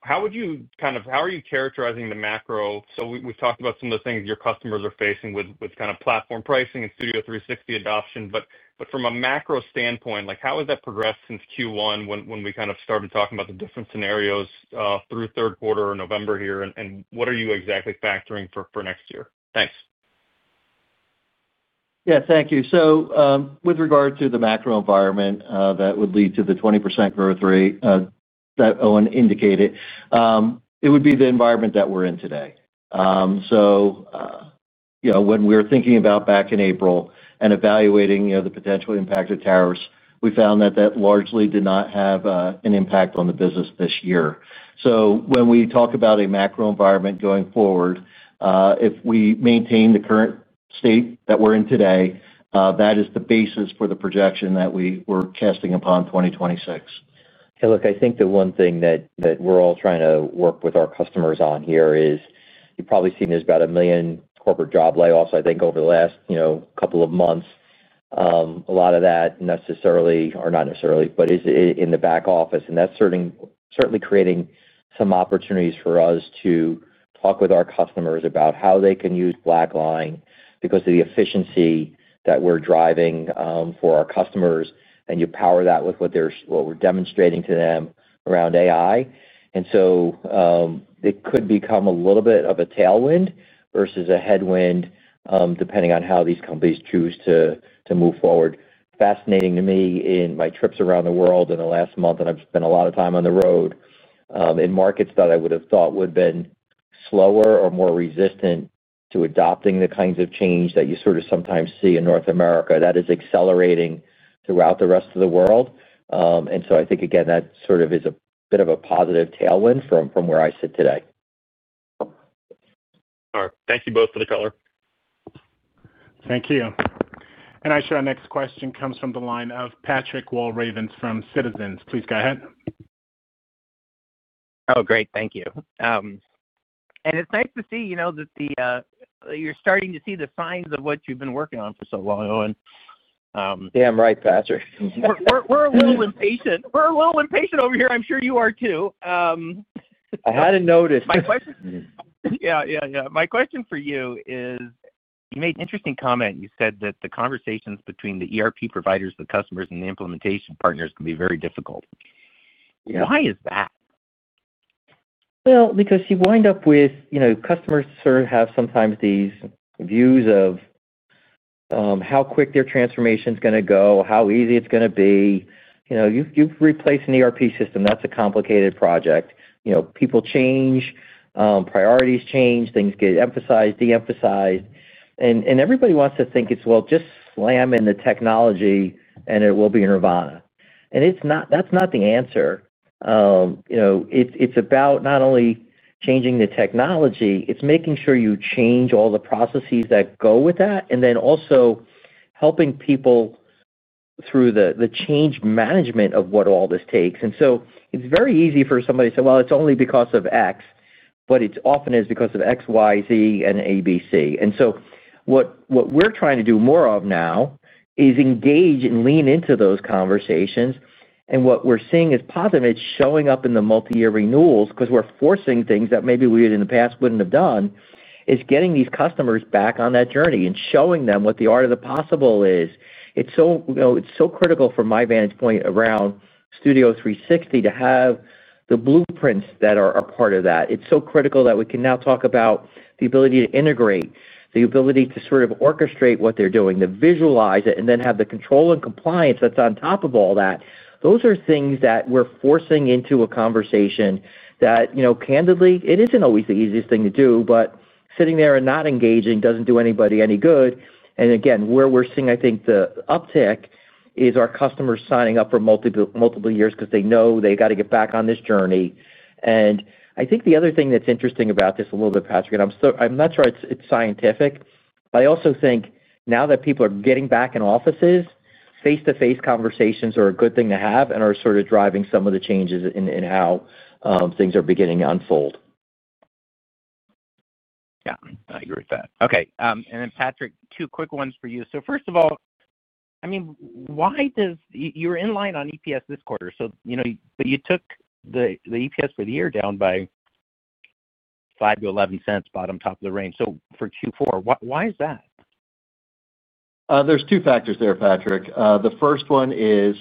How would you kind of, how are you characterizing the macro? We've talked about some of the things your customers are facing with kind of platform pricing and Studio 360 adoption. From a macro standpoint, how has that progressed since Q1 when we kind of started talking about the different scenarios through third quarter or November here? What are you exactly factoring for next year? Thanks. Yeah. Thank you. With regard to the macro environment that would lead to the 20% growth rate that Owen indicated, it would be the environment that we're in today. When we were thinking about back in April and evaluating the potential impact of tariffs, we found that that largely did not have an impact on the business this year. When we talk about a macro environment going forward, if we maintain the current state that we're in today, that is the basis for the projection that we were casting upon 2026. Hey, look, I think the one thing that we're all trying to work with our customers on here is you've probably seen there's about a million corporate job layoffs, I think, over the last couple of months. A lot of that necessarily or not necessarily, but is in the back office. That is certainly creating some opportunities for us to talk with our customers about how they can use BlackLine because of the efficiency that we are driving for our customers. You power that with what we are demonstrating to them around AI. It could become a little bit of a tailwind versus a headwind depending on how these companies choose to move forward. Fascinating to me in my trips around the world in the last month, and I have spent a lot of time on the road in markets that I would have thought would have been slower or more resistant to adopting the kinds of change that you sort of sometimes see in North America that is accelerating throughout the rest of the world. I think, again, that sort of is a bit of a positive tailwind from where I sit today. All right. Thank you both for the color. Thank you. I assure our next question comes from the line of Patrick Walravens from Citizens. Please go ahead. Oh, great. Thank you. It's nice to see that you're starting to see the signs of what you've been working on for so long, Owen. Yeah, I'm right, Patrick. We're a little impatient. We're a little impatient over here. I'm sure you are too. I hadn't noticed. Yeah, yeah, yeah. My question for you is, you made an interesting comment. You said that the conversations between the ERP providers, the customers, and the implementation partners can be very difficult. Why is that? Because you wind up with customers sort of have sometimes these views of. How quick their transformation is going to go, how easy it's going to be. You've replaced an ERP system. That's a complicated project. People change, priorities change, things get emphasized, de-emphasized. Everybody wants to think it's, well, just slam in the technology and it will be nirvana. That's not the answer. It's about not only changing the technology, it's making sure you change all the processes that go with that, and then also helping people through the change management of what all this takes. It's very easy for somebody to say, "Well, it's only because of X," but it often is because of X, Y, Z, and A, B, C. What we're trying to do more of now is engage and lean into those conversations. What we're seeing is positive. It's showing up in the multi-year renewals because we're forcing things that maybe we in the past wouldn't have done, is getting these customers back on that journey and showing them what the art of the possible is. It's so critical from my vantage point around Studio 360 to have the blueprints that are part of that. It's so critical that we can now talk about the ability to integrate, the ability to sort of orchestrate what they're doing, to visualize it, and then have the control and compliance that's on top of all that. Those are things that we're forcing into a conversation that, candidly, it isn't always the easiest thing to do, but sitting there and not engaging doesn't do anybody any good. Again, where we're seeing, I think, the uptick is our customers signing up for multiple years because they know they've got to get back on this journey. I think the other thing that's interesting about this a little bit, Patrick, and I'm not sure it's scientific, but I also think now that people are getting back in offices, face-to-face conversations are a good thing to have and are sort of driving some of the changes in how things are beginning to unfold. Yeah. I agree with that. Okay. And then, Patrick, two quick ones for you. First of all, I mean, why does you're in line on EPS this quarter, but you took the EPS for the year down by $0.05-$0.11, bottom top of the range. For Q4, why is that? There's two factors there, Patrick. The first one is.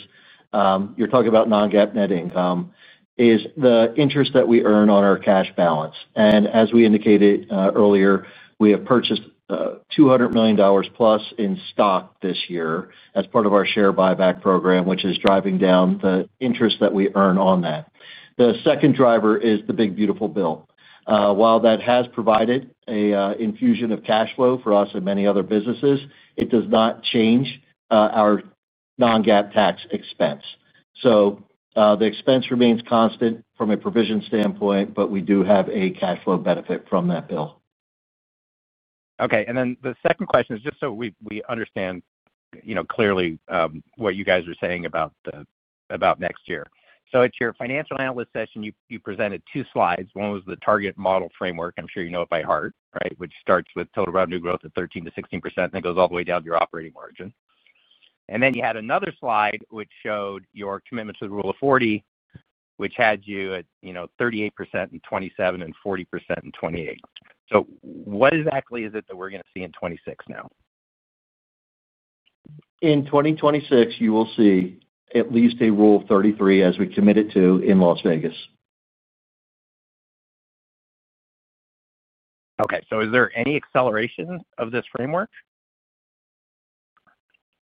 You're talking about Non-GAAP net income, is the interest that we earn on our cash balance. As we indicated earlier, we have purchased $200+ million in stock this year as part of our share buyback program, which is driving down the interest that we earn on that. The second driver is the big, beautiful bill. While that has provided an infusion of cash flow for us and many other businesses, it does not change our Non-GAAP tax expense. The expense remains constant from a provision standpoint, but we do have a cash flow benefit from that bill. Okay. The second question is just so we understand clearly what you guys are saying about next year. At your financial analyst session, you presented two slides. One was the target model framework. I'm sure you know it by heart, right, which starts with total revenue growth of 13%-16%, and it goes all the way down to your operating margin. And then you had another slide which showed your commitment to the rule of 40, which had you at 38% in 2027 and 40% in 2028. So what exactly is it that we're going to see in 2026 now? In 2026, you will see at least a rule of 33 as we committed to in Las Vegas. Okay. So is there any acceleration of this framework?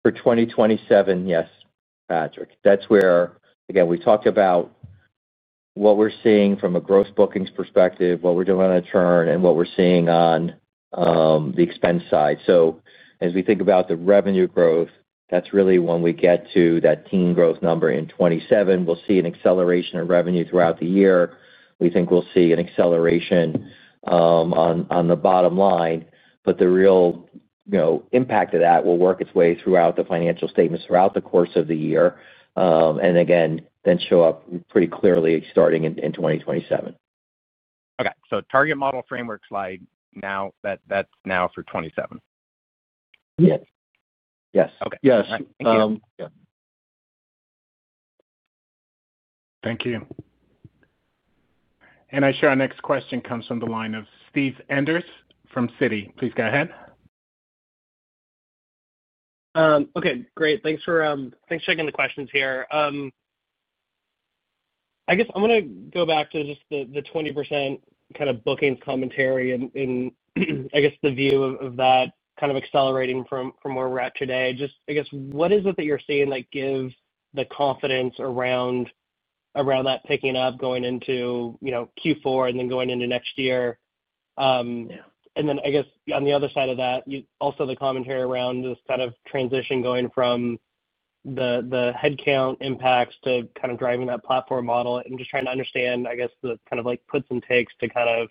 For 2027, yes, Patrick. That's where, again, we talked about. What we're seeing from a gross bookings perspective, what we're doing on a churn, and what we're seeing on the expense side. As we think about the revenue growth, that's really when we get to that teen growth number in 2027. We'll see an acceleration of revenue throughout the year. We think we'll see an acceleration on the bottom line. The real impact of that will work its way throughout the financial statements throughout the course of the year, and again, then show up pretty clearly starting in 2027. Okay. Target model framework slide now, that's now for 2027. Yes. Yes. Yes. Thank you. Thank you. I assure our next question comes from the line of Steve Enders from Citi. Please go ahead. Okay. Great. Thanks for checking the questions here. I guess I'm going to go back to just the 20% kind of bookings commentary and, I guess, the view of that kind of accelerating from where we're at today. Just, I guess, what is it that you're seeing give the confidence around that picking up going into Q4 and then going into next year? I guess, on the other side of that, also the commentary around this kind of transition going from the headcount impacts to kind of driving that platform model and just trying to understand, I guess, the kind of puts and takes to kind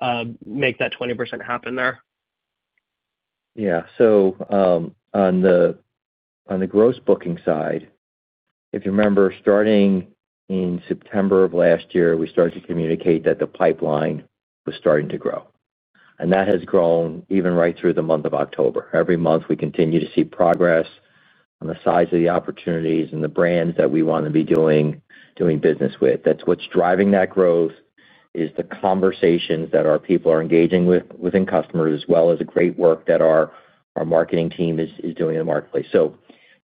of make that 20% happen there. Yeah. On the gross booking side, if you remember, starting in September of last year, we started to communicate that the pipeline was starting to grow. That has grown even right through the month of October. Every month, we continue to see progress on the size of the opportunities and the brands that we want to be doing business with. That's what's driving that growth, is the conversations that our people are engaging with within customers, as well as the great work that our marketing team is doing in the marketplace.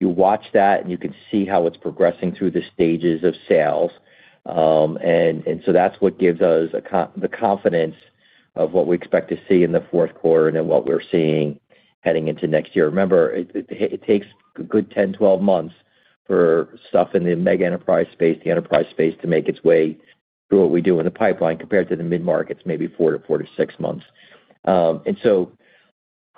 You watch that, and you can see how it's progressing through the stages of sales. That is what gives us the confidence of what we expect to see in the fourth quarter and then what we're seeing heading into next year. Remember, it takes a good 10-12 months for stuff in the mega enterprise space, the enterprise space, to make its way through what we do in the pipeline compared to the mid-markets, maybe four to six months.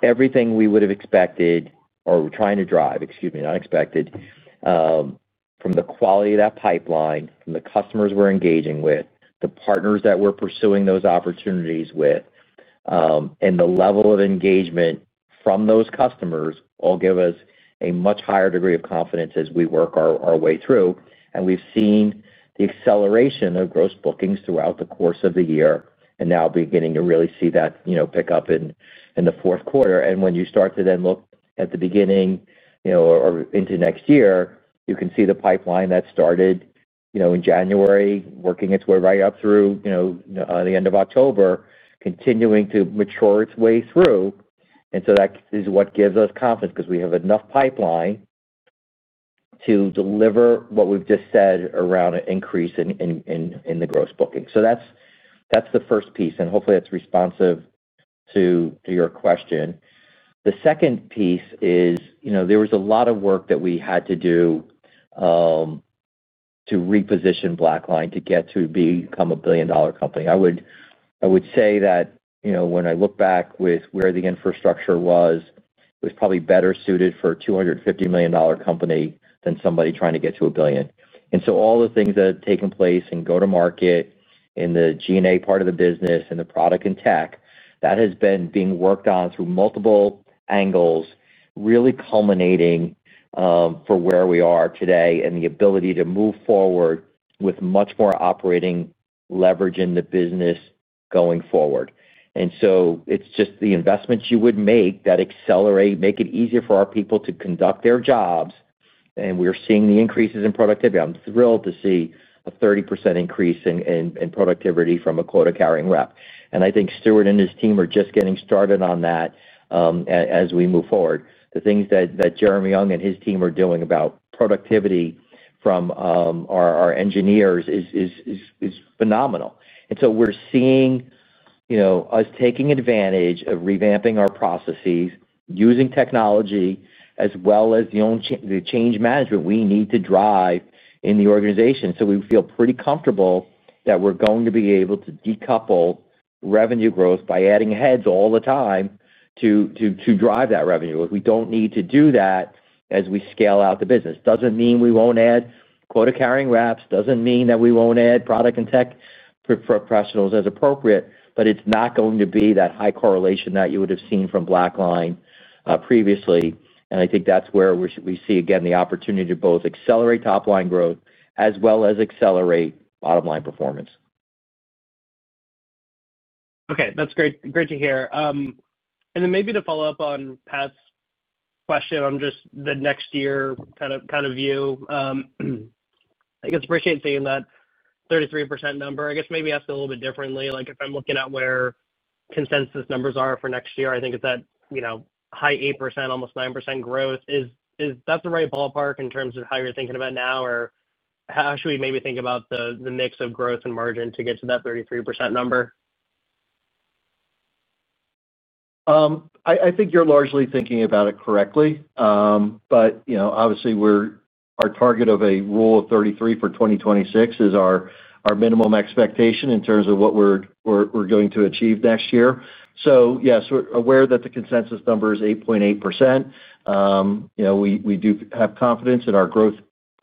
Everything we would have expected or were trying to drive, excuse me, not expected, from the quality of that pipeline, from the customers we're engaging with, the partners that we're pursuing those opportunities with, and the level of engagement from those customers all give us a much higher degree of confidence as we work our way through. We have seen the acceleration of gross bookings throughout the course of the year and now beginning to really see that pick up in the fourth quarter. When you start to then look at the beginning or into next year, you can see the pipeline that started in January working its way right up through the end of October, continuing to mature its way through. That is what gives us confidence because we have enough pipeline to deliver what we have just said around an increase in the gross booking. That is the first piece. Hopefully, that is responsive to your question. The second piece is there was a lot of work that we had to do to reposition BlackLine to get to become a billion-dollar company. I would say that when I look back with where the infrastructure was, it was probably better suited for a $250 million company than somebody trying to get to a billion. All the things that have taken place in go-to-market, in the G&A part of the business, in the product and tech, that has been being worked on through multiple angles, really culminating. For where we are today and the ability to move forward with much more operating leverage in the business going forward. It is just the investments you would make that accelerate, make it easier for our people to conduct their jobs. We are seeing the increases in productivity. I'm thrilled to see a 30% increase in productivity from a quota-carrying rep. I think Stuart and his team are just getting started on that as we move forward. The things that Jeremy Ung and his team are doing about productivity from our engineers is phenomenal. We are seeing us taking advantage of revamping our processes, using technology, as well as the change management we need to drive in the organization. We feel pretty comfortable that we are going to be able to decouple revenue growth by adding heads all the time to drive that revenue. We do not need to do that as we scale out the business. It does not mean we will not add quota-carrying reps. It does not mean that we will not add product and tech professionals as appropriate, but it is not going to be that high correlation that you would have seen from BlackLine previously. I think that is where we see, again, the opportunity to both accelerate top-line growth as well as accelerate bottom-line performance. Okay. That is great to hear. Maybe to follow up on Pat's question, the next year kind of view. I guess I appreciate seeing that 33% number. I guess maybe ask a little bit differently. If I'm looking at where consensus numbers are for next year, I think it's that high 8%, almost 9% growth. Is that the right ballpark in terms of how you're thinking about now, or how should we maybe think about the mix of growth and margin to get to that 33% number? I think you're largely thinking about it correctly. Obviously, our target of a rule of 33 for 2026 is our minimum expectation in terms of what we're going to achieve next year. Yes, we're aware that the consensus number is 8.8%. We do have confidence in our growth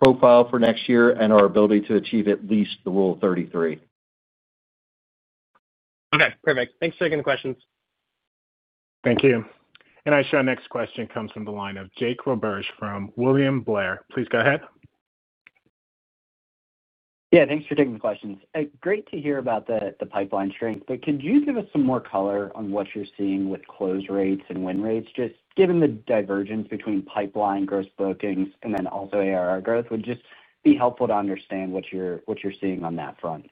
profile for next year and our ability to achieve at least the rule of 33. Okay. Perfect. Thanks for taking the questions. Thank you. I assure our next question comes from the line of Jake Roberge from William Blair. Please go ahead. Yeah. Thanks for taking the questions. Great to hear about the pipeline strength. Could you give us some more color on what you're seeing with close rates and win rates? Just given the divergence between pipeline, gross bookings, and then also ARR growth, would just be helpful to understand what you're seeing on that front.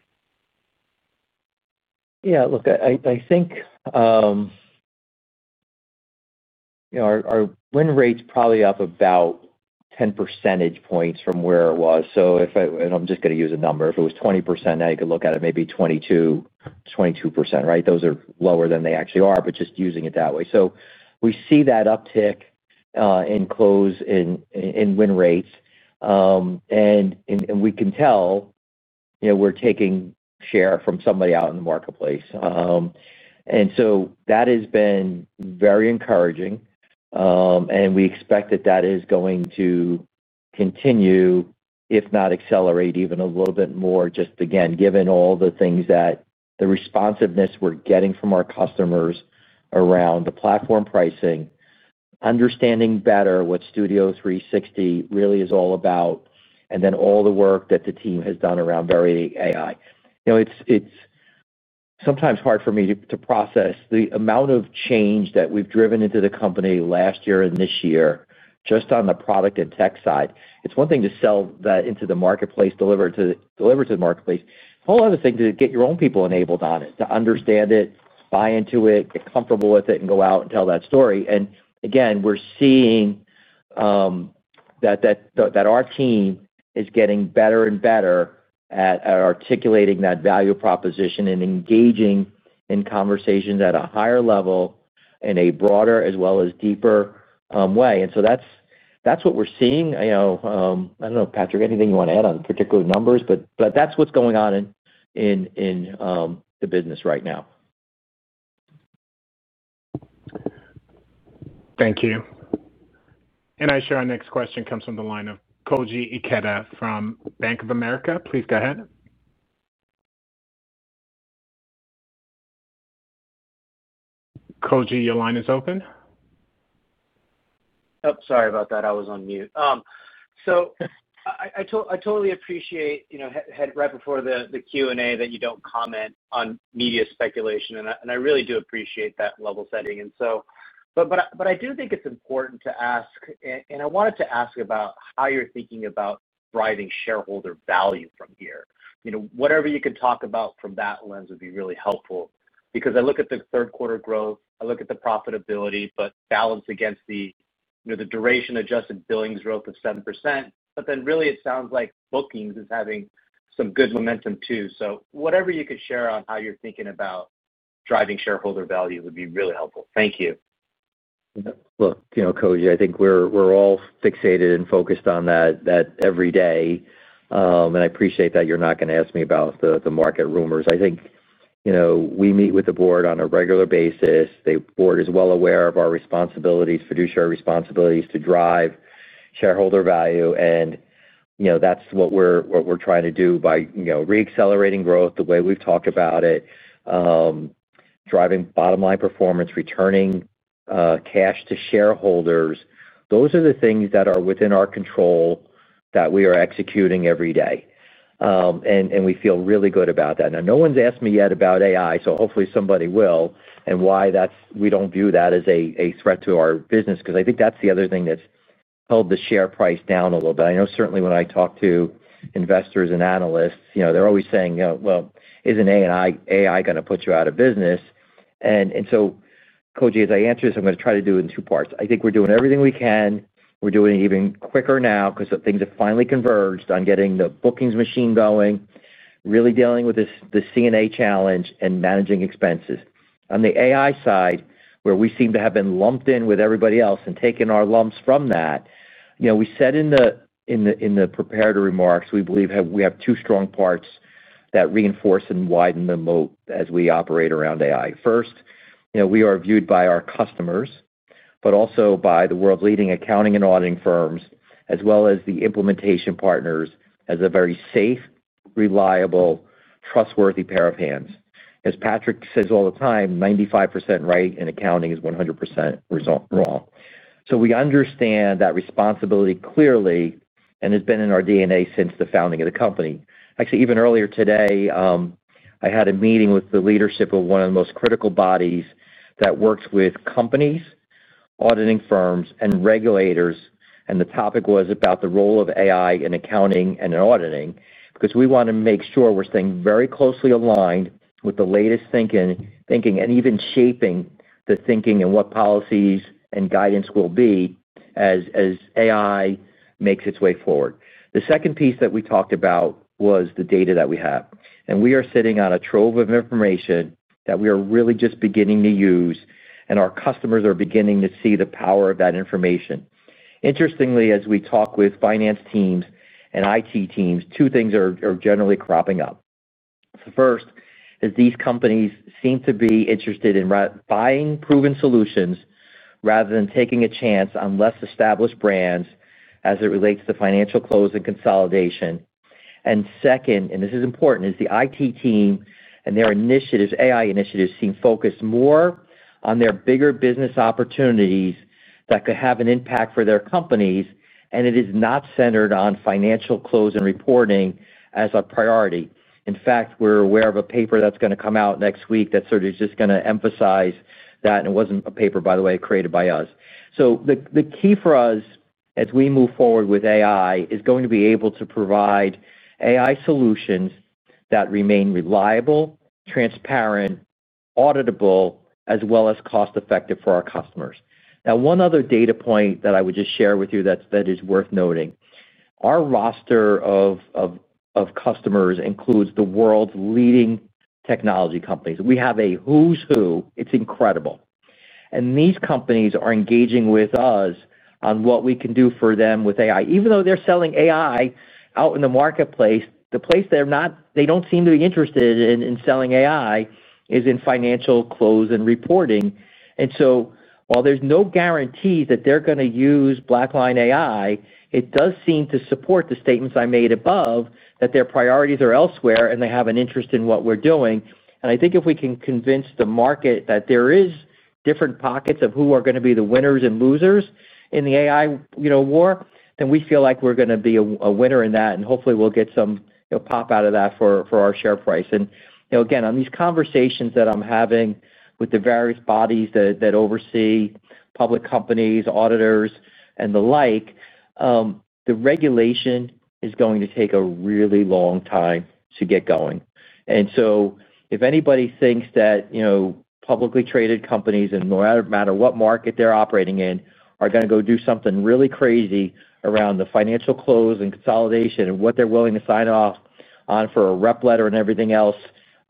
Yeah. Look, I think our win rate's probably up about 10 percentage points from where it was. I'm just going to use a number. If it was 20%, now you could look at it maybe 22%, right? Those are lower than they actually are, but just using it that way. We see that uptick in close, in win rates, and we can tell. We're taking share from somebody out in the marketplace. That has been very encouraging. We expect that is going to continue, if not accelerate, even a little bit more, just again, given all the things that the responsiveness we're getting from our customers around the platform pricing, understanding better what Studio 360 really is all about, and then all the work that the team has done around various AI. It's sometimes hard for me to process the amount of change that we've driven into the company last year and this year just on the product and tech side. It's one thing to sell that into the marketplace, deliver it to the marketplace. It's a whole other thing to get your own people enabled on it, to understand it, buy into it, get comfortable with it, and go out and tell that story. Again, we're seeing. That our team is getting better and better at articulating that value proposition and engaging in conversations at a higher level in a broader as well as deeper way. That is what we are seeing. I do not know, Patrick, anything you want to add on particular numbers, but that is what is going on in the business right now. Thank you. I assure our next question comes from the line of Koji Ikeda from Bank of America. Please go ahead. Koji, your line is open. Oh, sorry about that. I was on mute. I totally appreciate, right before the Q&A, that you do not comment on media speculation. I really do appreciate that level setting. I do think it is important to ask, and I wanted to ask about how you are thinking about driving shareholder value from here. Whatever you could talk about from that lens would be really helpful. Because I look at the third-quarter growth, I look at the profitability, but balance against the duration-adjusted billings growth of 7%. Then really, it sounds like bookings is having some good momentum too. Whatever you could share on how you're thinking about driving shareholder value would be really helpful. Thank you. Look, Koji, I think we're all fixated and focused on that every day. I appreciate that you're not going to ask me about the market rumors. I think we meet with the board on a regular basis. The board is well aware of our responsibilities, fiduciary responsibilities to drive shareholder value. That is what we're trying to do by re-accelerating growth, the way we've talked about it. Driving bottom-line performance, returning cash to shareholders. Those are the things that are within our control that we are executing every day. We feel really good about that. Now, no one's asked me yet about AI, so hopefully somebody will, and why we don't view that as a threat to our business. Because I think that's the other thing that's held the share price down a little bit. I know certainly when I talk to investors and analysts, they're always saying, "Well, isn't AI going to put you out of business?" Koji, as I answer this, I'm going to try to do it in two parts. I think we're doing everything we can. We're doing it even quicker now because things have finally converged on getting the bookings machine going, really dealing with the C&A challenge and managing expenses. On the AI side, where we seem to have been lumped in with everybody else and taken our lumps from that, we said in the. Preparatory remarks, we believe we have two strong parts that reinforce and widen the moat as we operate around AI. First, we are viewed by our customers, but also by the world-leading accounting and auditing firms, as well as the implementation partners, as a very safe, reliable, trustworthy pair of hands. As Patrick says all the time, 95% right in accounting is 100% wrong. So we understand that responsibility clearly and it has been in our DNA since the founding of the company. Actually, even earlier today, I had a meeting with the leadership of one of the most critical bodies that works with companies, auditing firms, and regulators. The topic was about the role of AI in accounting and in auditing because we want to make sure we're staying very closely aligned with the latest thinking and even shaping the thinking and what policies and guidance will be as AI makes its way forward. The second piece that we talked about was the data that we have. We are sitting on a trove of information that we are really just beginning to use, and our customers are beginning to see the power of that information. Interestingly, as we talk with finance teams and IT teams, two things are generally cropping up. The first is these companies seem to be interested in buying proven solutions rather than taking a chance on less established brands as it relates to financial close and consolidation. Second, and this is important, is the IT team and their AI initiatives seem focused more on their bigger business opportunities that could have an impact for their companies, and it is not centered on financial close and reporting as a priority. In fact, we're aware of a paper that's going to come out next week that's sort of just going to emphasize that. It was not a paper, by the way, created by us. The key for us as we move forward with AI is going to be able to provide AI solutions that remain reliable, transparent, auditable, as well as cost-effective for our customers. One other data point that I would just share with you that is worth noting. Our roster of customers includes the world's leading technology companies. We have a who's who. It's incredible. These companies are engaging with us on what we can do for them with AI. Even though they're selling AI out in the marketplace, the place they don't seem to be interested in selling AI is in financial close and reporting. While there's no guarantee that they're going to use BlackLine AI, it does seem to support the statements I made above that their priorities are elsewhere and they have an interest in what we're doing. I think if we can convince the market that there are different pockets of who are going to be the winners and losers in the AI war, then we feel like we're going to be a winner in that. Hopefully, we'll get some pop out of that for our share price. Again, on these conversations that I'm having with the various bodies that oversee public companies, auditors, and the like. The regulation is going to take a really long time to get going. If anybody thinks that publicly traded companies, no matter what market they're operating in, are going to go do something really crazy around the financial close and consolidation and what they're willing to sign off on for a rep letter and everything else,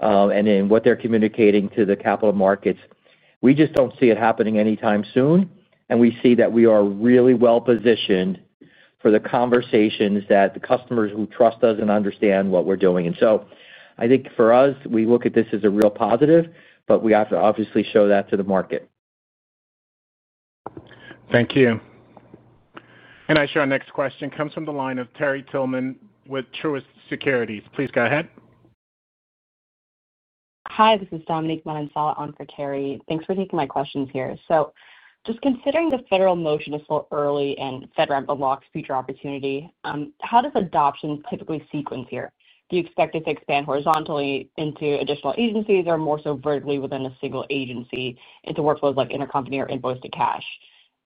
and then what they're communicating to the capital markets, we just don't see it happening anytime soon. We see that we are really well-positioned for the conversations that the customers who trust us and understand what we're doing. I think for us, we look at this as a real positive, but we have to obviously show that to the market. Thank you. I assure our next question comes from the line of Terry Tillman with Truist Securities. Please go ahead. Hi, this is Dominique Manansala on for Terry. Thanks for taking my questions here. Just considering the federal motion is so early and the federal unlocks future opportunity, how does adoption typically sequence here? Do you expect it to expand horizontally into additional agencies or more so vertically within a single agency into workflows like intercompany or invoice to cash?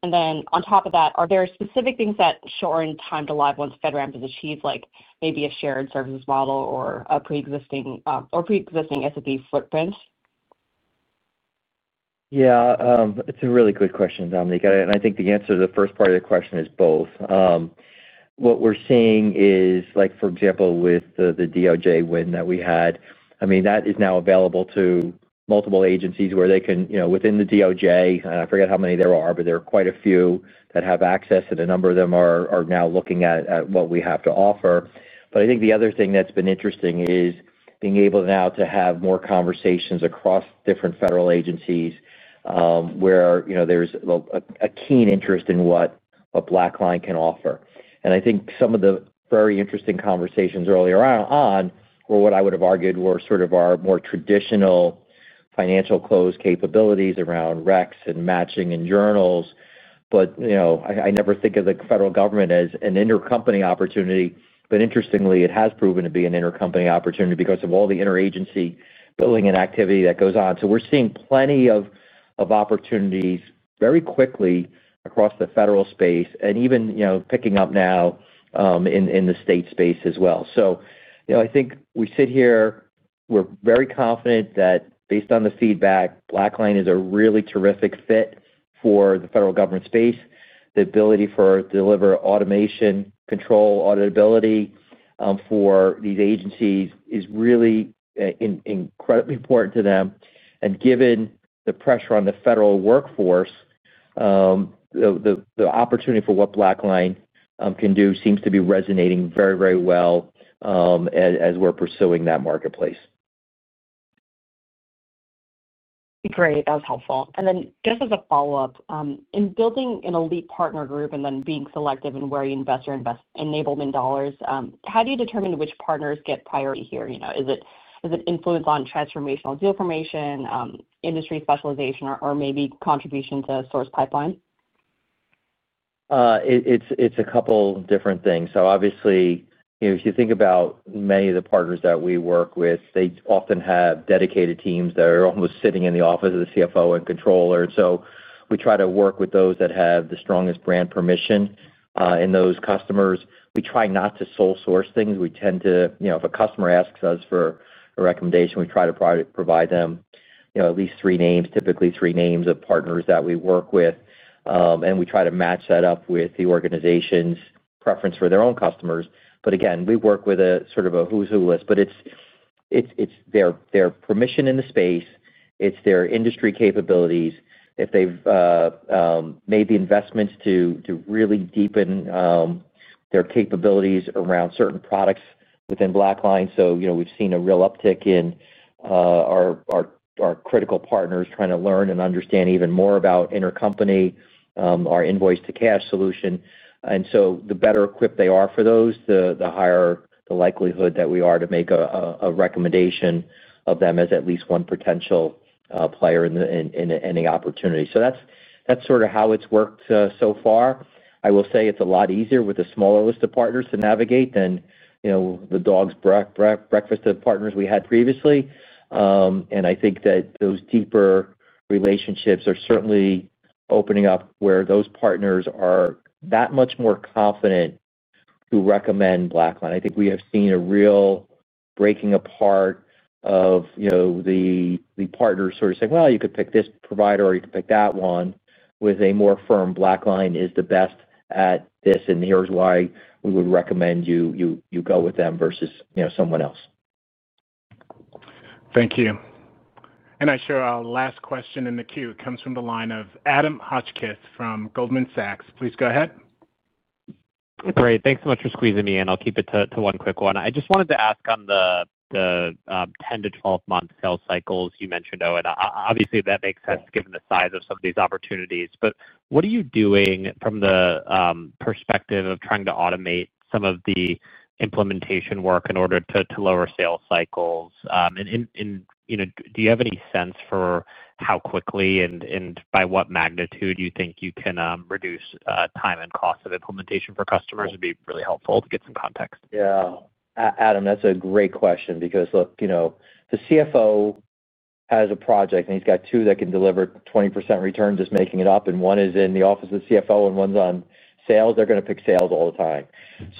On top of that, are there specific things that show in time to live once federal ramp is achieved, like maybe a shared services model or a pre-existing S&P footprint? Yeah. It's a really good question, Dominique. I think the answer to the first part of the question is both. What we're seeing is, for example, with the DOJ win that we had, I mean, that is now available to multiple agencies where they can within the DOJ, and I forget how many there are, but there are quite a few that have access, and a number of them are now looking at what we have to offer. I think the other thing that's been interesting is being able now to have more conversations across different federal agencies. There is a keen interest in what BlackLine can offer. I think some of the very interesting conversations earlier on were what I would have argued were sort of our more traditional financial close capabilities around recs and matching and journals. I never think of the federal government as an intercompany opportunity, but interestingly, it has proven to be an intercompany opportunity because of all the interagency billing and activity that goes on. We're seeing plenty of opportunities very quickly across the federal space and even picking up now in the state space as well. I think we sit here, we're very confident that based on the feedback, BlackLine is a really terrific fit for the federal government space. The ability to deliver automation, control, auditability for these agencies is really incredibly important to them. Given the pressure on the federal workforce, the opportunity for what BlackLine can do seems to be resonating very, very well as we're pursuing that marketplace. Great. That was helpful. Just as a follow-up, in building an elite partner group and then being selective in where you invest your enablement dollars, how do you determine which partners get priority here? Is it influence on transformational deal formation, industry specialization, or maybe contribution to source pipeline? It's a couple of different things. Obviously, if you think about many of the partners that we work with, they often have dedicated teams that are almost sitting in the office of the CFO and controller. We try to work with those that have the strongest brand permission. In those customers, we try not to sole-source things. If a customer asks us for a recommendation, we try to provide them at least three names, typically three names of partners that we work with. We try to match that up with the organization's preference for their own customers. We work with a sort of a who's who list. It is their permission in the space. It is their industry capabilities. If they have made the investments to really deepen their capabilities around certain products within BlackLine. We have seen a real uptick in our critical partners trying to learn and understand even more about intercompany, our Invoice to Cash solution. The better equipped they are for those, the higher the likelihood that we are to make a recommendation of them as at least one potential player in any opportunity. That is sort of how it has worked so far. I will say it is a lot easier with a smaller list of partners to navigate than the dog's breakfast of partners we had previously. I think that those deeper relationships are certainly opening up where those partners are that much more confident to recommend BlackLine. I think we have seen a real breaking apart of the partners sort of saying, "Well, you could pick this provider or you could pick that one," with a more firm, "BlackLine is the best at this, and here's why we would recommend you go with them versus someone else." Thank you. I assure our last question in the queue comes from the line of Adam Hotchkiss from Goldman Sachs. Please go ahead. Great. Thanks so much for squeezing me in. I'll keep it to one quick one. I just wanted to ask on the 10-12 month sales cycles you mentioned, Owen, obviously, that makes sense given the size of some of these opportunities. What are you doing from the Perspective of trying to automate some of the implementation work in order to lower sales cycles? And do you have any sense for how quickly and by what magnitude you think you can reduce time and cost of implementation for customers? It'd be really helpful to get some context. Yeah. Adam, that's a great question because, look. The CFO has a project, and he's got two that can deliver 20% return just making it up. And one is in the office of the CFO, and one's on sales. They're going to pick sales all the time.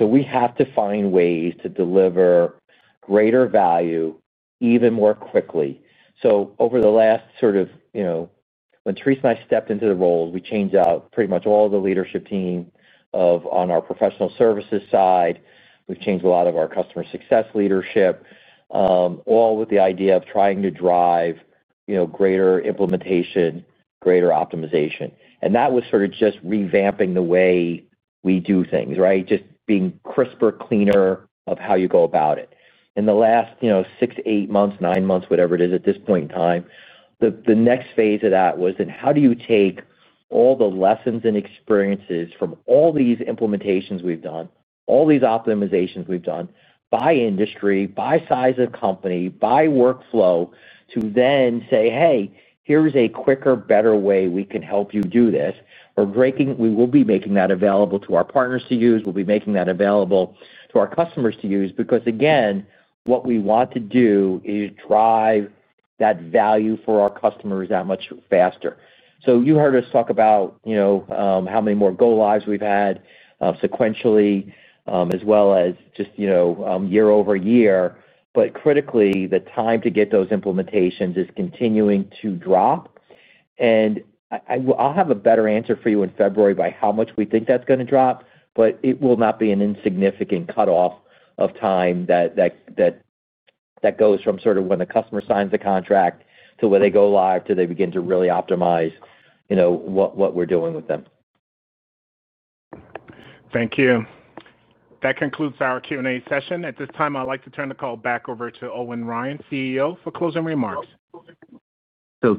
We have to find ways to deliver greater value even more quickly. Over the last sort of, when Therese and I stepped into the roles, we changed out pretty much all the leadership team on our professional services side. We've changed a lot of our customer success leadership. All with the idea of trying to drive greater implementation, greater optimization. That was sort of just revamping the way we do things, right? Just being crisper, cleaner of how you go about it. In the last six, eight months, nine months, whatever it is at this point in time, the next phase of that was, then how do you take all the lessons and experiences from all these implementations we've done, all these optimizations we've done by industry, by size of company, by workflow, to then say, "Hey, here's a quicker, better way we can help you do this." We will be making that available to our partners to use. We'll be making that available to our customers to use because, again, what we want to do is drive that value for our customers that much faster. You heard us talk about. How many more go-lives we've had sequentially as well as just year-over-year. Critically, the time to get those implementations is continuing to drop. I'll have a better answer for you in February by how much we think that's going to drop, but it will not be an insignificant cutoff of time that goes from sort of when the customer signs the contract to where they go live to they begin to really optimize what we're doing with them. Thank you. That concludes our Q&A session. At this time, I'd like to turn the call back over to Owen Ryan, CEO, for closing remarks.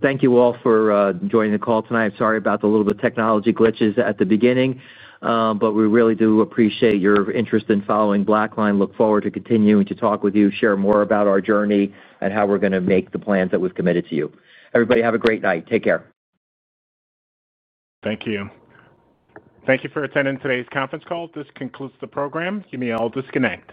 Thank you all for joining the call tonight. Sorry about the little bit of technology glitches at the beginning, but we really do appreciate your interest in following BlackLine. Look forward to continuing to talk with you, share more about our journey, and how we're going to make the plans that we've committed to you. Everybody have a great night. Take care. Thank you. Thank you for attending today's conference call. This concludes the program. You may all disconnect.